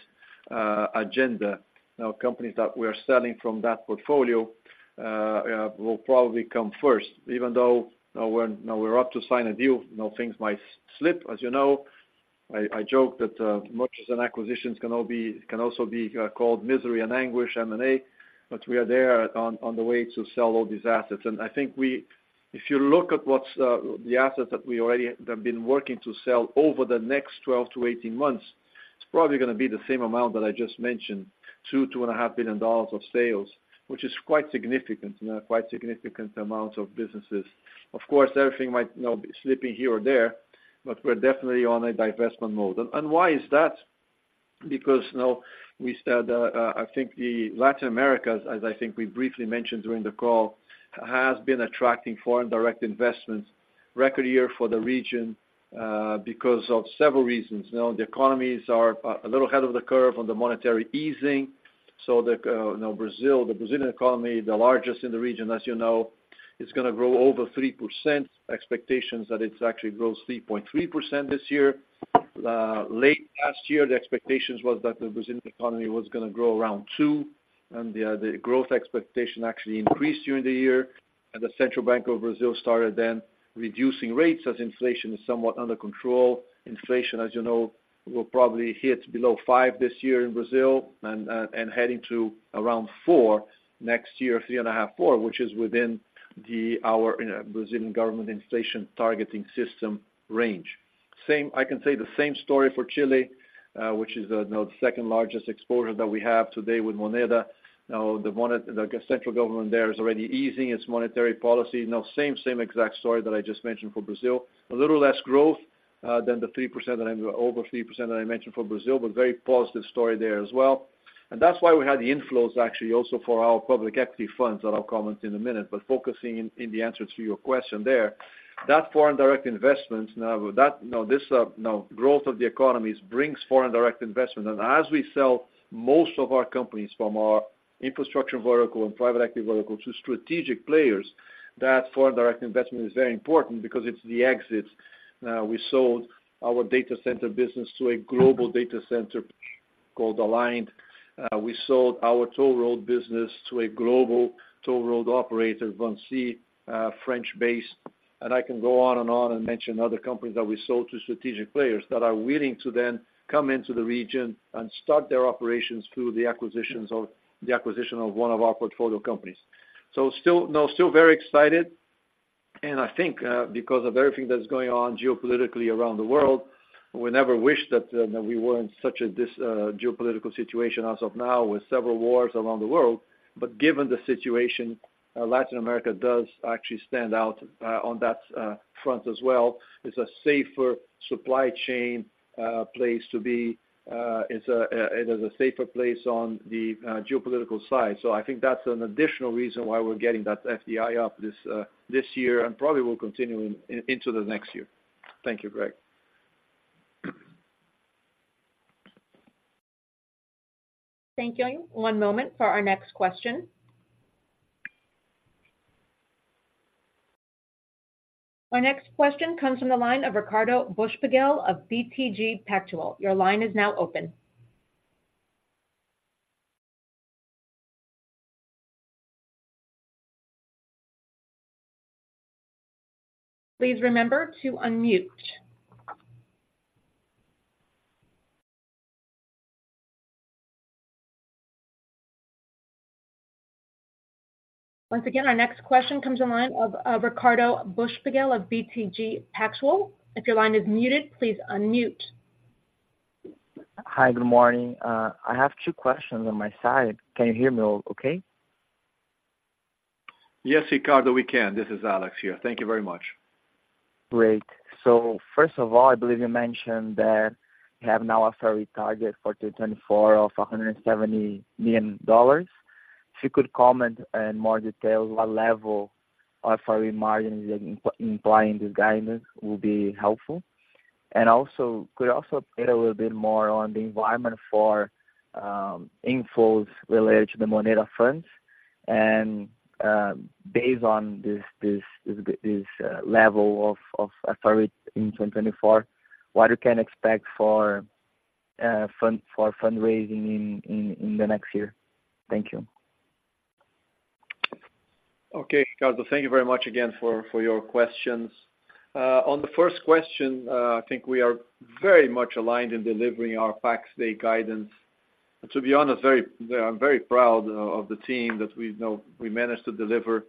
C: agenda. Now, companies that we are selling from that portfolio will probably come first, even though we're now up to sign a deal, now things might slip. As you know, I joke that mergers and acquisitions can all be, can also be called misery and anguish, M&A, but we are there on the way to sell all these assets. And I think we—if you look at what's the assets that we already have been working to sell over the next 12-18 months, it's probably gonna be the same amount that I just mentioned, $2 billion-$2.5 billion of sales, which is quite significant, you know, quite significant amounts of businesses. Of course, everything might, you know, be slipping here or there, but we're definitely on a divestment mode. And why is that? Because, you know, we said, I think the Latin America, as I think we briefly mentioned during the call, has been attracting foreign direct investments, record year for the region, because of several reasons. You know, the economies are a little ahead of the curve on the monetary easing. So, you know, Brazil, the Brazilian economy, the largest in the region, as you know, is gonna grow over 3%. Expectations that it actually grows 3.3% this year. Late last year, the expectations was that the Brazilian economy was gonna grow around 2%, and the growth expectation actually increased during the year. And the Central Bank of Brazil started then reducing rates as inflation is somewhat under control. Inflation, as you know, will probably hit below 5% this year in Brazil and heading to around 4% next year, 3.5%-4%, which is within our Brazilian government inflation targeting system range. Same, I can say the same story for Chile, which is the, you know, second largest exposure that we have today with Moneda. Now, the Moneda, the central government there is already easing its monetary policy. Now, same, same exact story that I just mentioned for Brazil. A little less growth than the 3%, that I mean over 3% that I mentioned for Brazil, but very positive story there as well. And that's why we had the inflows actually, also for our public equity funds, that I'll comment in a minute. But focusing in the answer to your question there, that foreign direct investments, now, that... Now, growth of the economies brings foreign direct investment. And as we sell most of our companies from our infrastructure vertical and private equity vertical to strategic players, that foreign direct investment is very important because it's the exits. Now, we sold our data center business to a global data center called Aligned. We sold our toll road business to a global toll road operator, Vinci, French-based. And I can go on and on and mention other companies that we sold to strategic players that are willing to then come into the region and start their operations through the acquisition of one of our portfolio companies. So still, now, still very excited, and I think, because of everything that's going on geopolitically around the world, we never wished that we were in such a geopolitical situation as of now, with several wars around the world. But given the situation, Latin America does actually stand out on that front as well. It's a safer supply chain place to be, it's a safer place on the geopolitical side. So I think that's an additional reason why we're getting that FDI up this year and probably will continue into the next year. Thank you, Craig.
A: Thank you. One moment for our next question. Our next question comes from the line of Ricardo Buchpiguel of BTG Pactual. Your line is now open. Please remember to unmute. Once again, our next question comes in line of Ricardo Buchpiguel of BTG Pactual. If your line is muted, please unmute.
G: Hi, good morning. I have two questions on my side. Can you hear me okay?
C: Yes, Ricardo, we can. This is Alex here. Thank you very much.
G: Great. So first of all, I believe you mentioned that you have now a firm target for 2024 of $170 million. If you could comment in more detail, what level of FRE margins that implying this guidance will be helpful? And also, could also update a little bit more on the environment for inflows related to the Moneda funds. And, based on this level of AUM in 2024, what you can expect for fund fundraising in the next year? Thank you.
C: Okay, Ricardo, thank you very much again for your questions. On the first question, I think we are very much aligned in delivering our PAX day guidance. And to be honest, very, I'm very proud of the team that we know we managed to deliver,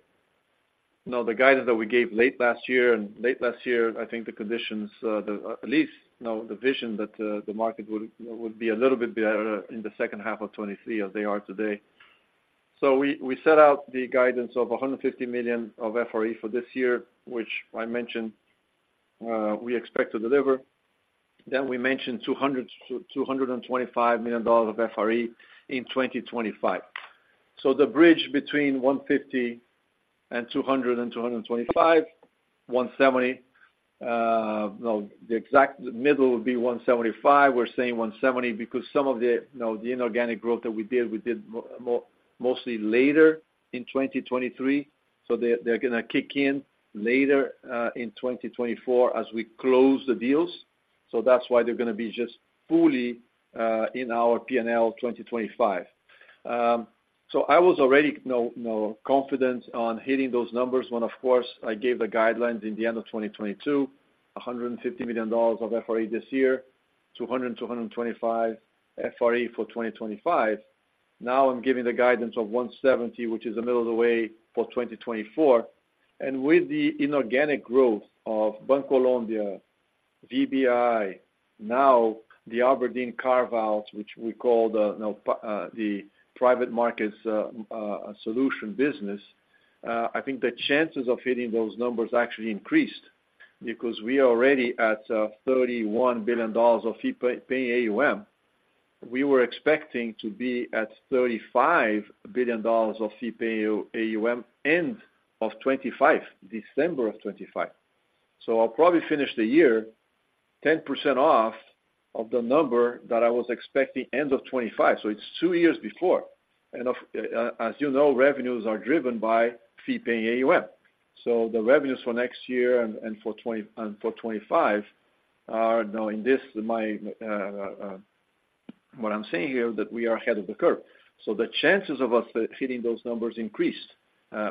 C: you know, the guidance that we gave late last year, and late last year, I think the conditions, the at least, you know, the vision that the market would be a little bit better in the second half of 2023 as they are today. So we set out the guidance of $150 million of FRE for this year, which I mentioned, we expect to deliver. Then we mentioned $200 million-$225 million of FRE in 2025. So the bridge between $150 million and $200 million-$225 million, $170 million, now the exact middle would be $175 million. We're saying $170 million, because some of the, you know, the inorganic growth that we did, we did more mostly later in 2023, so they're, they're gonna kick in later, in 2024 as we close the deals. So that's why they're gonna be just fully, in our P&L 2025. So I was already, you know, you know, confident on hitting those numbers when, of course, I gave the guidelines in the end of 2022, $150 million of FRE this year, $200 million-$225 million FRE for 2025. Now, I'm giving the guidance of $170 million, which is the middle of the way for 2024. With the inorganic growth of Bancolombia, VBI, now the abrdn carve-outs, which we call the, you know, private markets solution business, I think the chances of hitting those numbers actually increased because we are already at $31 billion of fee-paying AUM. We were expecting to be at $35 billion of fee-paying AUM, end of 2025, December of 2025. So I'll probably finish the year 10% off of the number that I was expecting end of 2025, so it's two years before. And, as you know, revenues are driven by fee-paying AUM. So the revenues for next year and for 2025 are, now in this, my, what I'm saying here, that we are ahead of the curve. So the chances of us hitting those numbers increased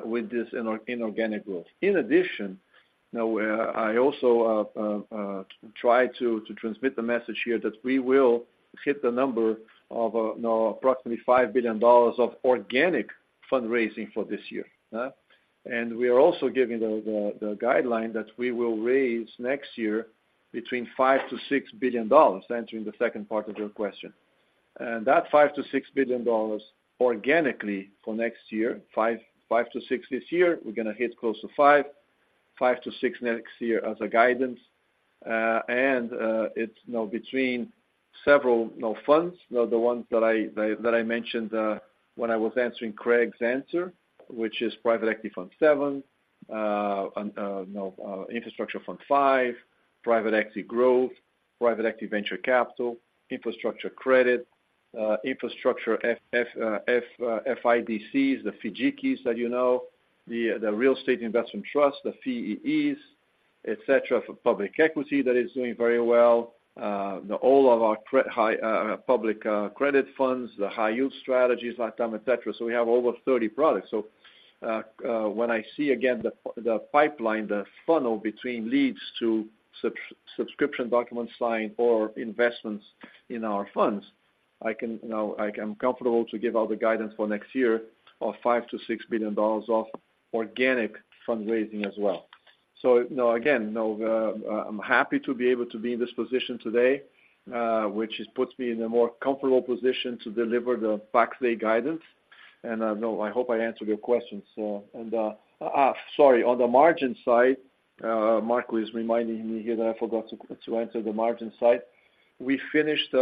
C: with this inorganic growth. In addition, now I also try to transmit the message here that we will hit the number of, you know, approximately $5 billion of organic fundraising for this year? And we are also giving the guideline that we will raise next year between $5 billion-$6 billion, answering the second part of your question. And that $5 billion-$6 billion organically for next year $5 billion-$6 billion this year, we're gonna hit close to $5 billion. $5 billion-$6 billion next year as a guidance. It's, you know, between several, you know, funds, you know, the ones that I mentioned when I was answering Craig's answer, which is Private Equity Fund VII, and, you know, Infrastructure Fund V, Private Equity Growth, Private Equity Venture Capital, Infrastructure Credit, Infrastructure FIDCs, the FIIs that you know, the Real Estate Investment Trust, the FIIs, et cetera, for public equity, that is doing very well. All of our credit high public credit funds, the high yield strategies, LATAM, et cetera. So we have over 30 products. So, when I see again, the pipeline, the funnel between leads to subscription documents signed or investments in our funds, I can, you know, I am comfortable to give out the guidance for next year of $5 billion-$6 billion of organic fundraising as well. So, you know, again, you know, I'm happy to be able to be in this position today, which puts me in a more comfortable position to deliver the PAX day guidance. And, you know, I hope I answered your questions. So, and, sorry, on the margin side, Marco is reminding me here that I forgot to answer the margin side. We finished,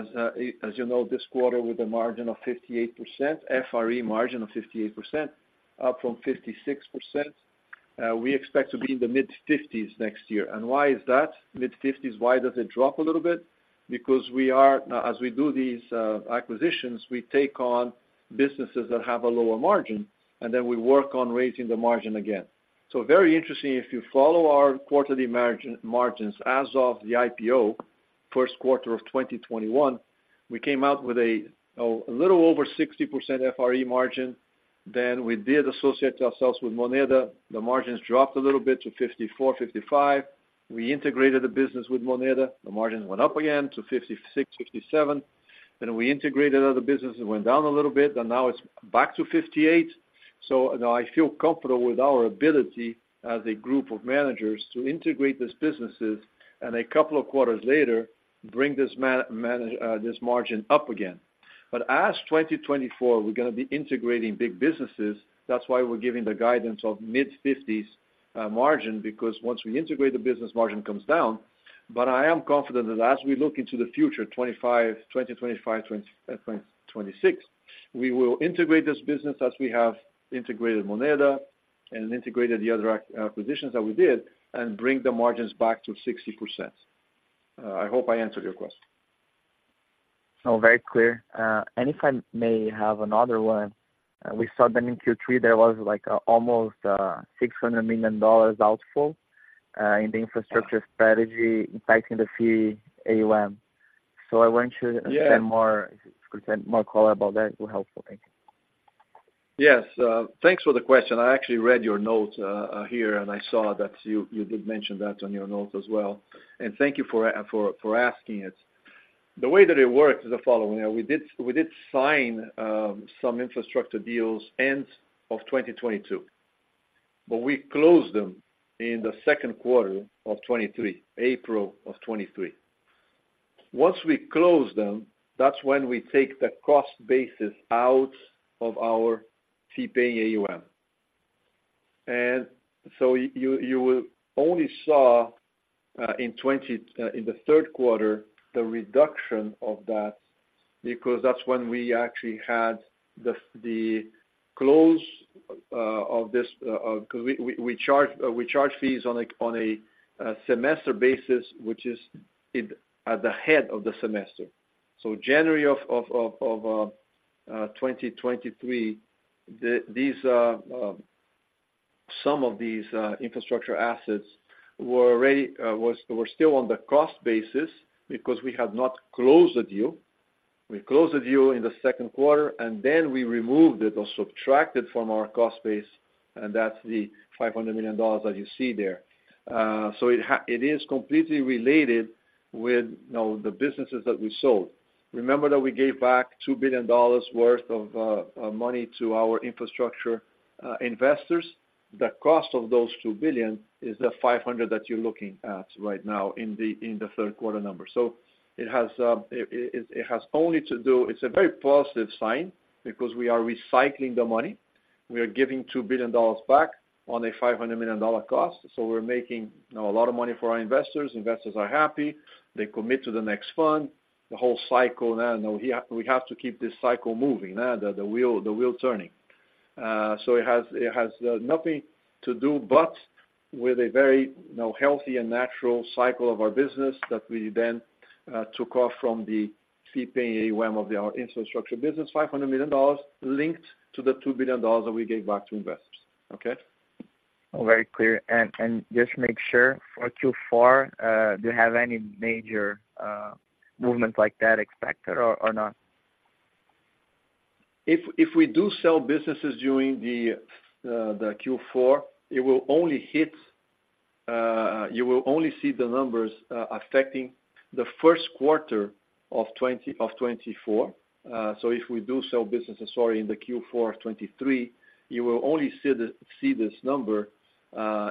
C: as you know, this quarter with a margin of 58%, FRE margin of 58%, up from 56%. We expect to be in the mid-fifties next year. And why is that mid-fifties? Why does it drop a little bit? Because we are-- as we do these acquisitions, we take on businesses that have a lower margin, and then we work on raising the margin again. So very interesting, if you follow our quarterly margin, margins as of the IPO, first quarter of 2021, we came out with a little over 60% FRE margin. Then we did associate ourselves with Moneda. The margins dropped a little bit to 54%, 55%. We integrated the business with Moneda. The margins went up again to 56%, 57%. Then we integrated other business, it went down a little bit, and now it's back to 58%. So, you know, I feel comfortable with our ability as a group of managers to integrate these businesses, and a couple of quarters later, bring this margin up again. But as 2024, we're gonna be integrating big businesses, that's why we're giving the guidance of mid-50s% margin, because once we integrate the business, margin comes down. But I am confident that as we look into the future, 2025, 2025, 2026, we will integrate this business as we have integrated Moneda and integrated the other acquisitions that we did, and bring the margins back to 60%. I hope I answered your question.
G: Oh, very clear. If I may have another one. We saw that in Q3, there was, like, almost $600 million outflow in the infrastructure strategy impacting the fee AUM. So I want you-
C: Yeah.
G: To spend more, spend more color about that will helpful. Thank you.
C: Yes. Thanks for the question. I actually read your notes here, and I saw that you did mention that on your notes as well. And thank you for asking it. The way that it works is the following. We did sign some infrastructure deals end of 2022, but we closed them in the second quarter of 2023, April of 2023. Once we close them, that's when we take the cost basis out of our fee-paying AUM. And so you will only saw in 2023, in the third quarter, the reduction of that, because that's when we actually had the close of this, because we charge fees on a semester basis, which is at the head of the semester. So January of 2023, some of these infrastructure assets were already still on the cost basis because we had not closed the deal. We closed the deal in the second quarter, and then we removed it or subtracted from our cost base, and that's the $500 million that you see there. So it is completely related with, you know, the businesses that we sold. Remember that we gave back $2 billion worth of money to our infrastructure investors? The cost of those $2 billion is the $500 that you're looking at right now in the third quarter number. So it has only to do. It's a very positive sign because we are recycling the money. We are giving $2 billion back on a $500 million cost. So we're making, you know, a lot of money for our investors. Investors are happy. They commit to the next fund, the whole cycle. Now we have to keep this cycle moving, the wheel turning. So it has nothing to do but with a very, you know, healthy and natural cycle of our business that we then took off from the fee-paying AUM of our infrastructure business, $500 million linked to the $2 billion that we gave back to investors. Okay?
G: Oh, very clear. And just make sure for Q4, do you have any major movement like that expected or not?
C: If we do sell businesses during the Q4, you will only see the numbers affecting the first quarter of 2024. So if we do sell businesses, sorry, in the Q4 of 2023, you will only see this number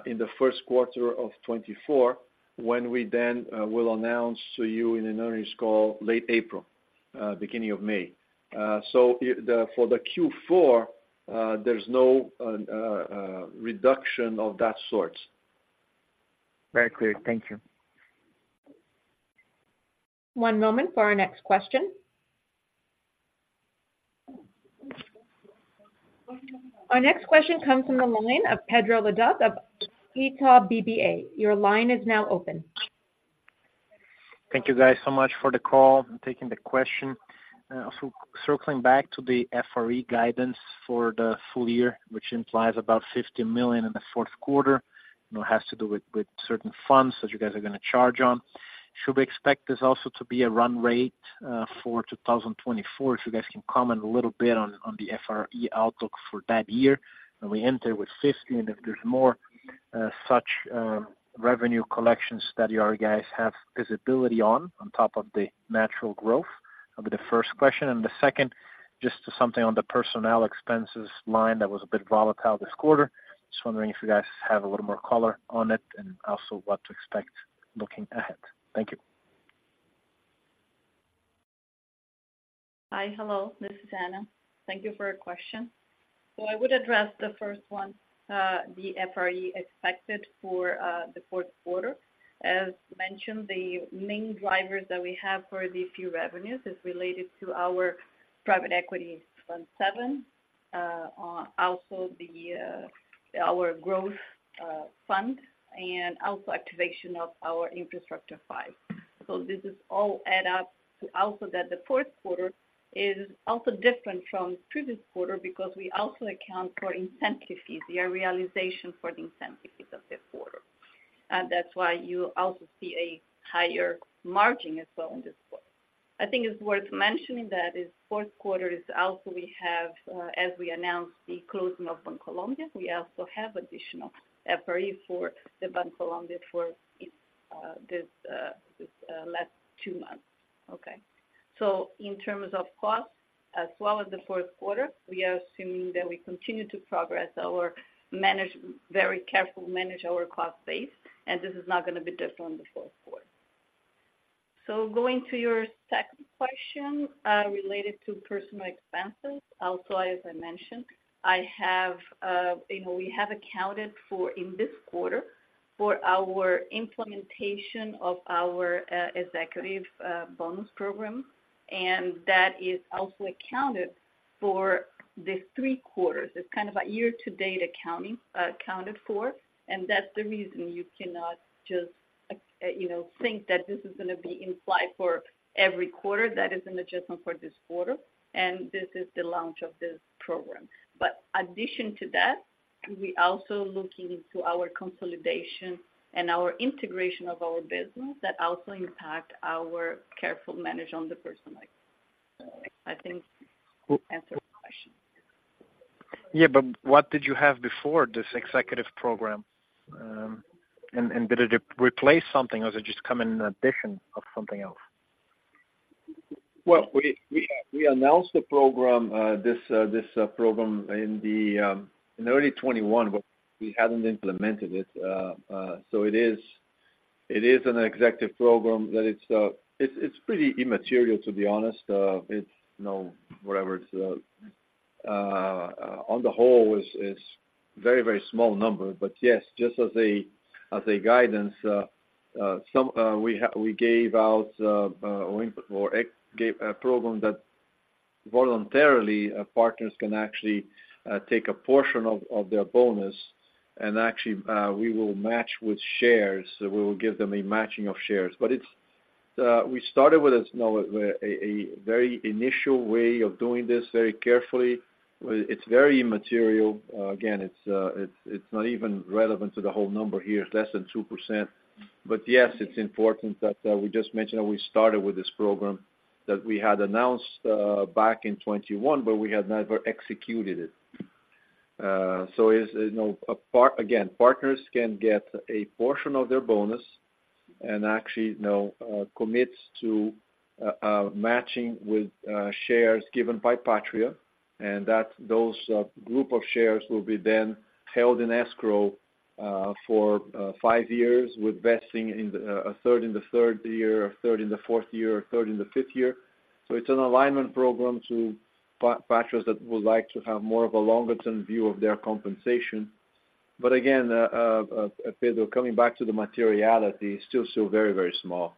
C: in the first quarter of 2024, when we then will announce to you in an earnings call, late April, beginning of May. So, for the Q4, there's no reduction of that sort.
G: Very clear. Thank you.
A: One moment for our next question. Our next question comes from the line of Pedro Leduc of Itaú BBA. Your line is now open.
H: Thank you guys so much for the call and taking the question. So circling back to the FRE guidance for the full year, which implies about $50 million in the fourth quarter, you know, has to do with certain funds that you guys are going to charge on. Should we expect this also to be a run rate for 2024? If you guys can comment a little bit on the FRE outlook for that year, and we enter with $50 million, and if there's more such revenue collections that you guys have visibility on, on top of the natural growth? That'll be the first question. And the second, just something on the personnel expenses line that was a bit volatile this quarter. Just wondering if you guys have a little more color on it and also what to expect looking ahead. Thank you.
E: Hi, hello, this is Ana. Thank you for your question. So I would address the first one, the FRE expected for the fourth quarter. As mentioned, the main drivers that we have for these fee revenues is related to our Private Equity Fund VII, also our Growth Fund, and also activation of our Infrastructure V. So this is all add up to also that the fourth quarter is also different from previous quarter because we also account for incentive fees, the realization for the incentive fees of this quarter. And that's why you also see a higher margin as well in this quarter. I think it's worth mentioning that this fourth quarter is also we have, as we announced, the closing of Bancolombia. We also have additional FRE for Bancolombia for this last two months. Okay. So in terms of cost, as well as the fourth quarter, we are assuming that we continue to very carefully manage our cost base, and this is not going to be different in the fourth quarter. So going to your second question, related to personnel expenses, also, as I mentioned, you know, we have accounted for in this quarter for our implementation of our executive bonus program, and that is also accounted for the three quarters. It's kind of a year-to-date accounting, accounted for, and that's the reason you cannot just, you know, think that this is gonna be in play for every quarter. That is an adjustment for this quarter, and this is the launch of this program. In addition to that, we also looking into our consolidation and our integration of our business that also impact our careful manage on the personnel line. So I think answer your question.
I: Yeah, but what did you have before this executive program, and did it replace something, or does it just come in addition to something else?
C: Well, we announced the program, this program in early 2021, but we hadn't implemented it. So it is an executive program that it's pretty immaterial, to be honest. It's, you know, whatever it's on the whole is very small number. But yes, just as a guidance, we gave out or gave a program that voluntarily partners can actually take a portion of their bonus, and actually we will match with shares. We will give them a matching of shares. But it's we started with a, you know, a very initial way of doing this very carefully. It's very immaterial. Again, it's not even relevant to the whole number here, less than 2%. But yes, it's important that we just mentioned that we started with this program that we had announced back in 2021, but we had never executed it. So it's, you know, a part—again, partners can get a portion of their bonus and actually, you know, commits to matching with shares given by Patria, and that those group of shares will be then held in escrow for five years, with vesting in the a third in the third year, a third in the fourth year, a third in the fifth year. So it's an alignment program to Patria's that would like to have more of a longer-term view of their compensation. But again, Pedro, coming back to the materiality, still, still very, very small.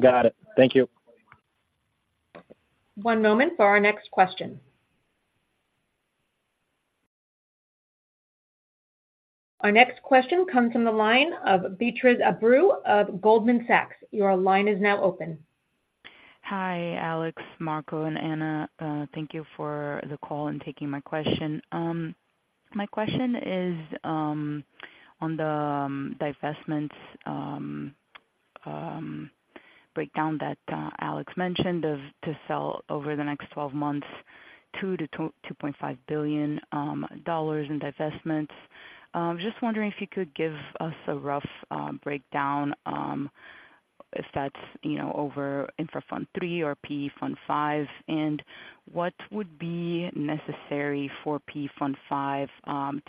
I: Got it. Thank you.
A: One moment for our next question. Our next question comes from the line of Beatriz Abreu of Goldman Sachs. Your line is now open.
J: Hi, Alex, Marco, and Ana. Thank you for the call and taking my question. My question is on the divestment breakdown that Alex mentioned of to sell over the next 12 months $2 billion-$2.5 billion in divestments. Just wondering if you could give us a rough breakdown if that's, you know, over Infra Fund III or PE Fund V, and what would be necessary for PE Fund V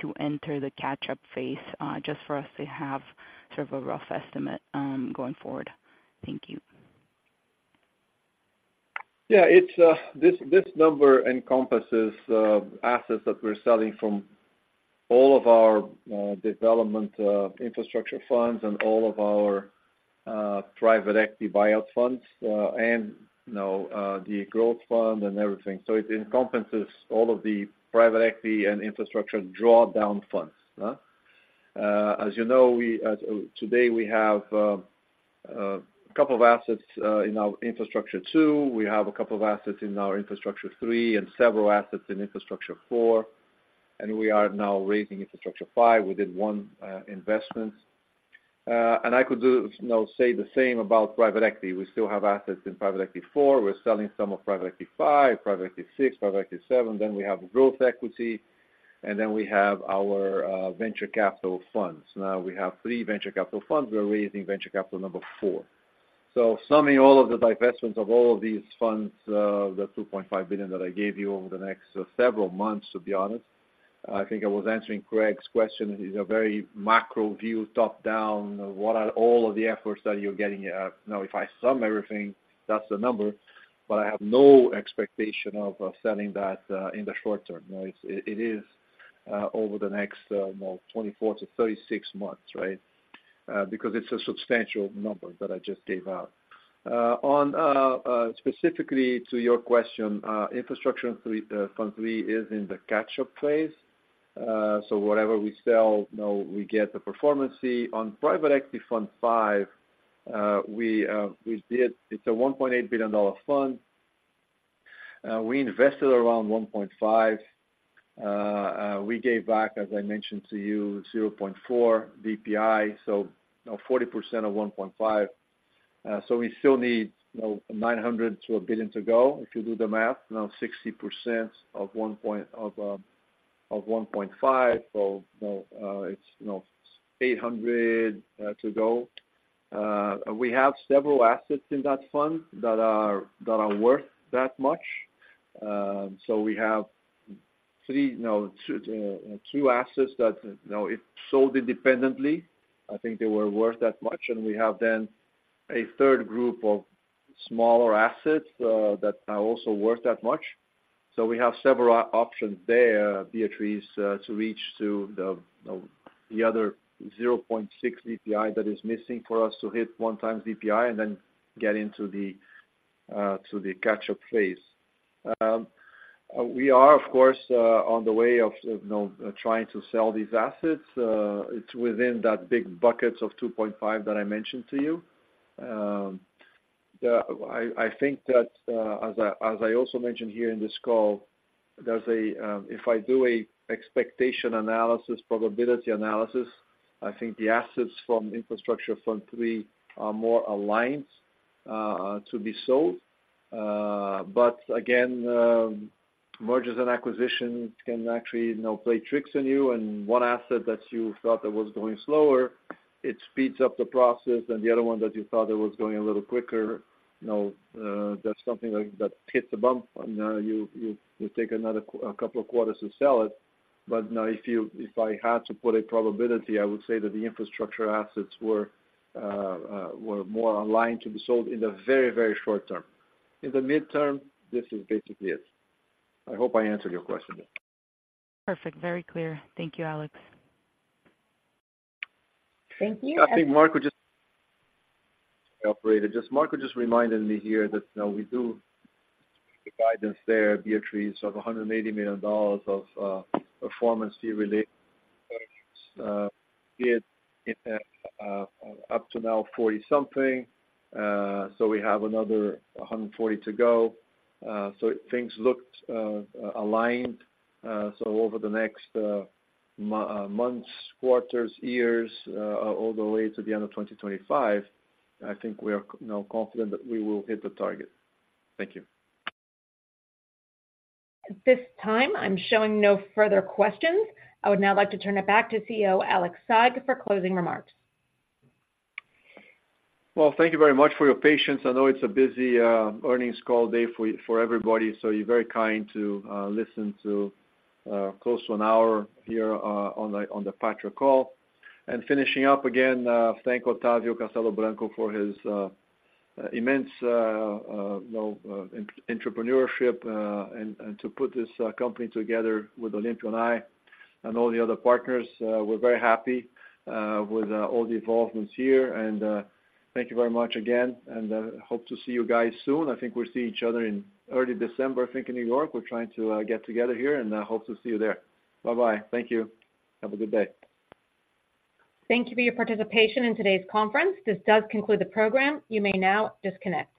J: to enter the catch-up phase just for us to have sort of a rough estimate going forward? Thank you.
C: Yeah, it's this number encompasses assets that we're selling from all of our development Infrastructure funds and all of our Private Equity buyout funds, and, you know, the growth fund and everything. So it encompasses all of the Private Equity and Infrastructure draw down funds. As you know, today we have a couple of assets in our Infrastructure II, we have a couple of assets in our Infrastructure III, and several assets in Infrastructure IV, and we are now raising Infrastructure V. We did one investment. And I could do, you know, say the same about Private Equity. We still have assets in Private Equity IV. We're selling some of Private Equity V, Private Equity VI, Private Equity VII, then we have growth equity, and then we have our venture capital funds. Now, we have three venture capital funds. We're raising venture capital number 4. So summing all of the divestments of all of these funds, the $2.5 billion that I gave you over the next several months, to be honest, I think I was answering Craig's question, is a very macro view, top-down, what are all of the efforts that you're getting at? Now, if I sum everything, that's the number, but I have no expectation of selling that in the short term. No, it's, it is, over the next, more 24-36 months, right? Because it's a substantial number that I just gave out. On, specifically to your question, Infrastructure III, fund three is in the catch-up phase. So whatever we sell, you know, we get the performance. On Private Equity Fund V, we did—it's a $1.8 billion fund. We invested around $1.5 billion. We gave back, as I mentioned to you, 0.4 DPI, so, you know, 40% of $1.5 billion. So we still need, you know, $900 million-$1 billion to go, if you do the math. You know, 60% of $1.5 billion, so, you know, it's $800 million to go. We have several assets in that fund that are worth that much. So we have three, no, two, two assets that, you know, if sold independently, I think they were worth that much, and we have then a third group of smaller assets that are also worth that much. So we have several options there, Beatriz, to reach to the other 0.6 DPI that is missing for us to hit 1x DPI and then get into the catch-up phase. We are, of course, on the way of you know trying to sell these assets. It's within that big buckets of 2.5 that I mentioned to you. I think that, as I also mentioned here in this call, there's a, if I do a expectation analysis, probability analysis, I think the assets from Infrastructure Fund III are more aligned to be sold. But again, mergers and acquisitions can actually, you know, play tricks on you, and one asset that you thought that was going slower, it speeds up the process, and the other one that you thought it was going a little quicker, you know, that's something that hit the bump, and you take another, a couple of quarters to sell it. But, you know, if I had to put a probability, I would say that the infrastructure assets were more in line to be sold in the very, very short term. In the midterm, this is basically it. I hope I answered your question.
J: Perfect. Very clear. Thank you, Alex.
A: Thank you.
C: I think Marco just reminded me here that, you know, we do the guidance there, Beatriz, of $180 million of performance fee related up to now 40-something, so we have another $140 to go. So things looked aligned. So over the next months, quarters, years, all the way to the end of 2025, I think we are, you know, confident that we will hit the target. Thank you.
A: At this time, I'm showing no further questions. I would now like to turn it back to CEO, Alex Saigh, for closing remarks.
C: Well, thank you very much for your patience. I know it's a busy earnings call day for everybody, so you're very kind to listen to close to an hour here on the Patria call. And finishing up, again, thank Otavio Castello Branco for his immense, you know, entrepreneurship, and to put this company together with Olympio and I and all the other partners. We're very happy with all the involvements here, and thank you very much again, and hope to see you guys soon. I think we'll see each other in early December, I think, in New York. We're trying to get together here, and I hope to see you there. Bye-bye. Thank you. Have a good day.
A: Thank you for your participation in today's conference. This does conclude the program. You may now disconnect.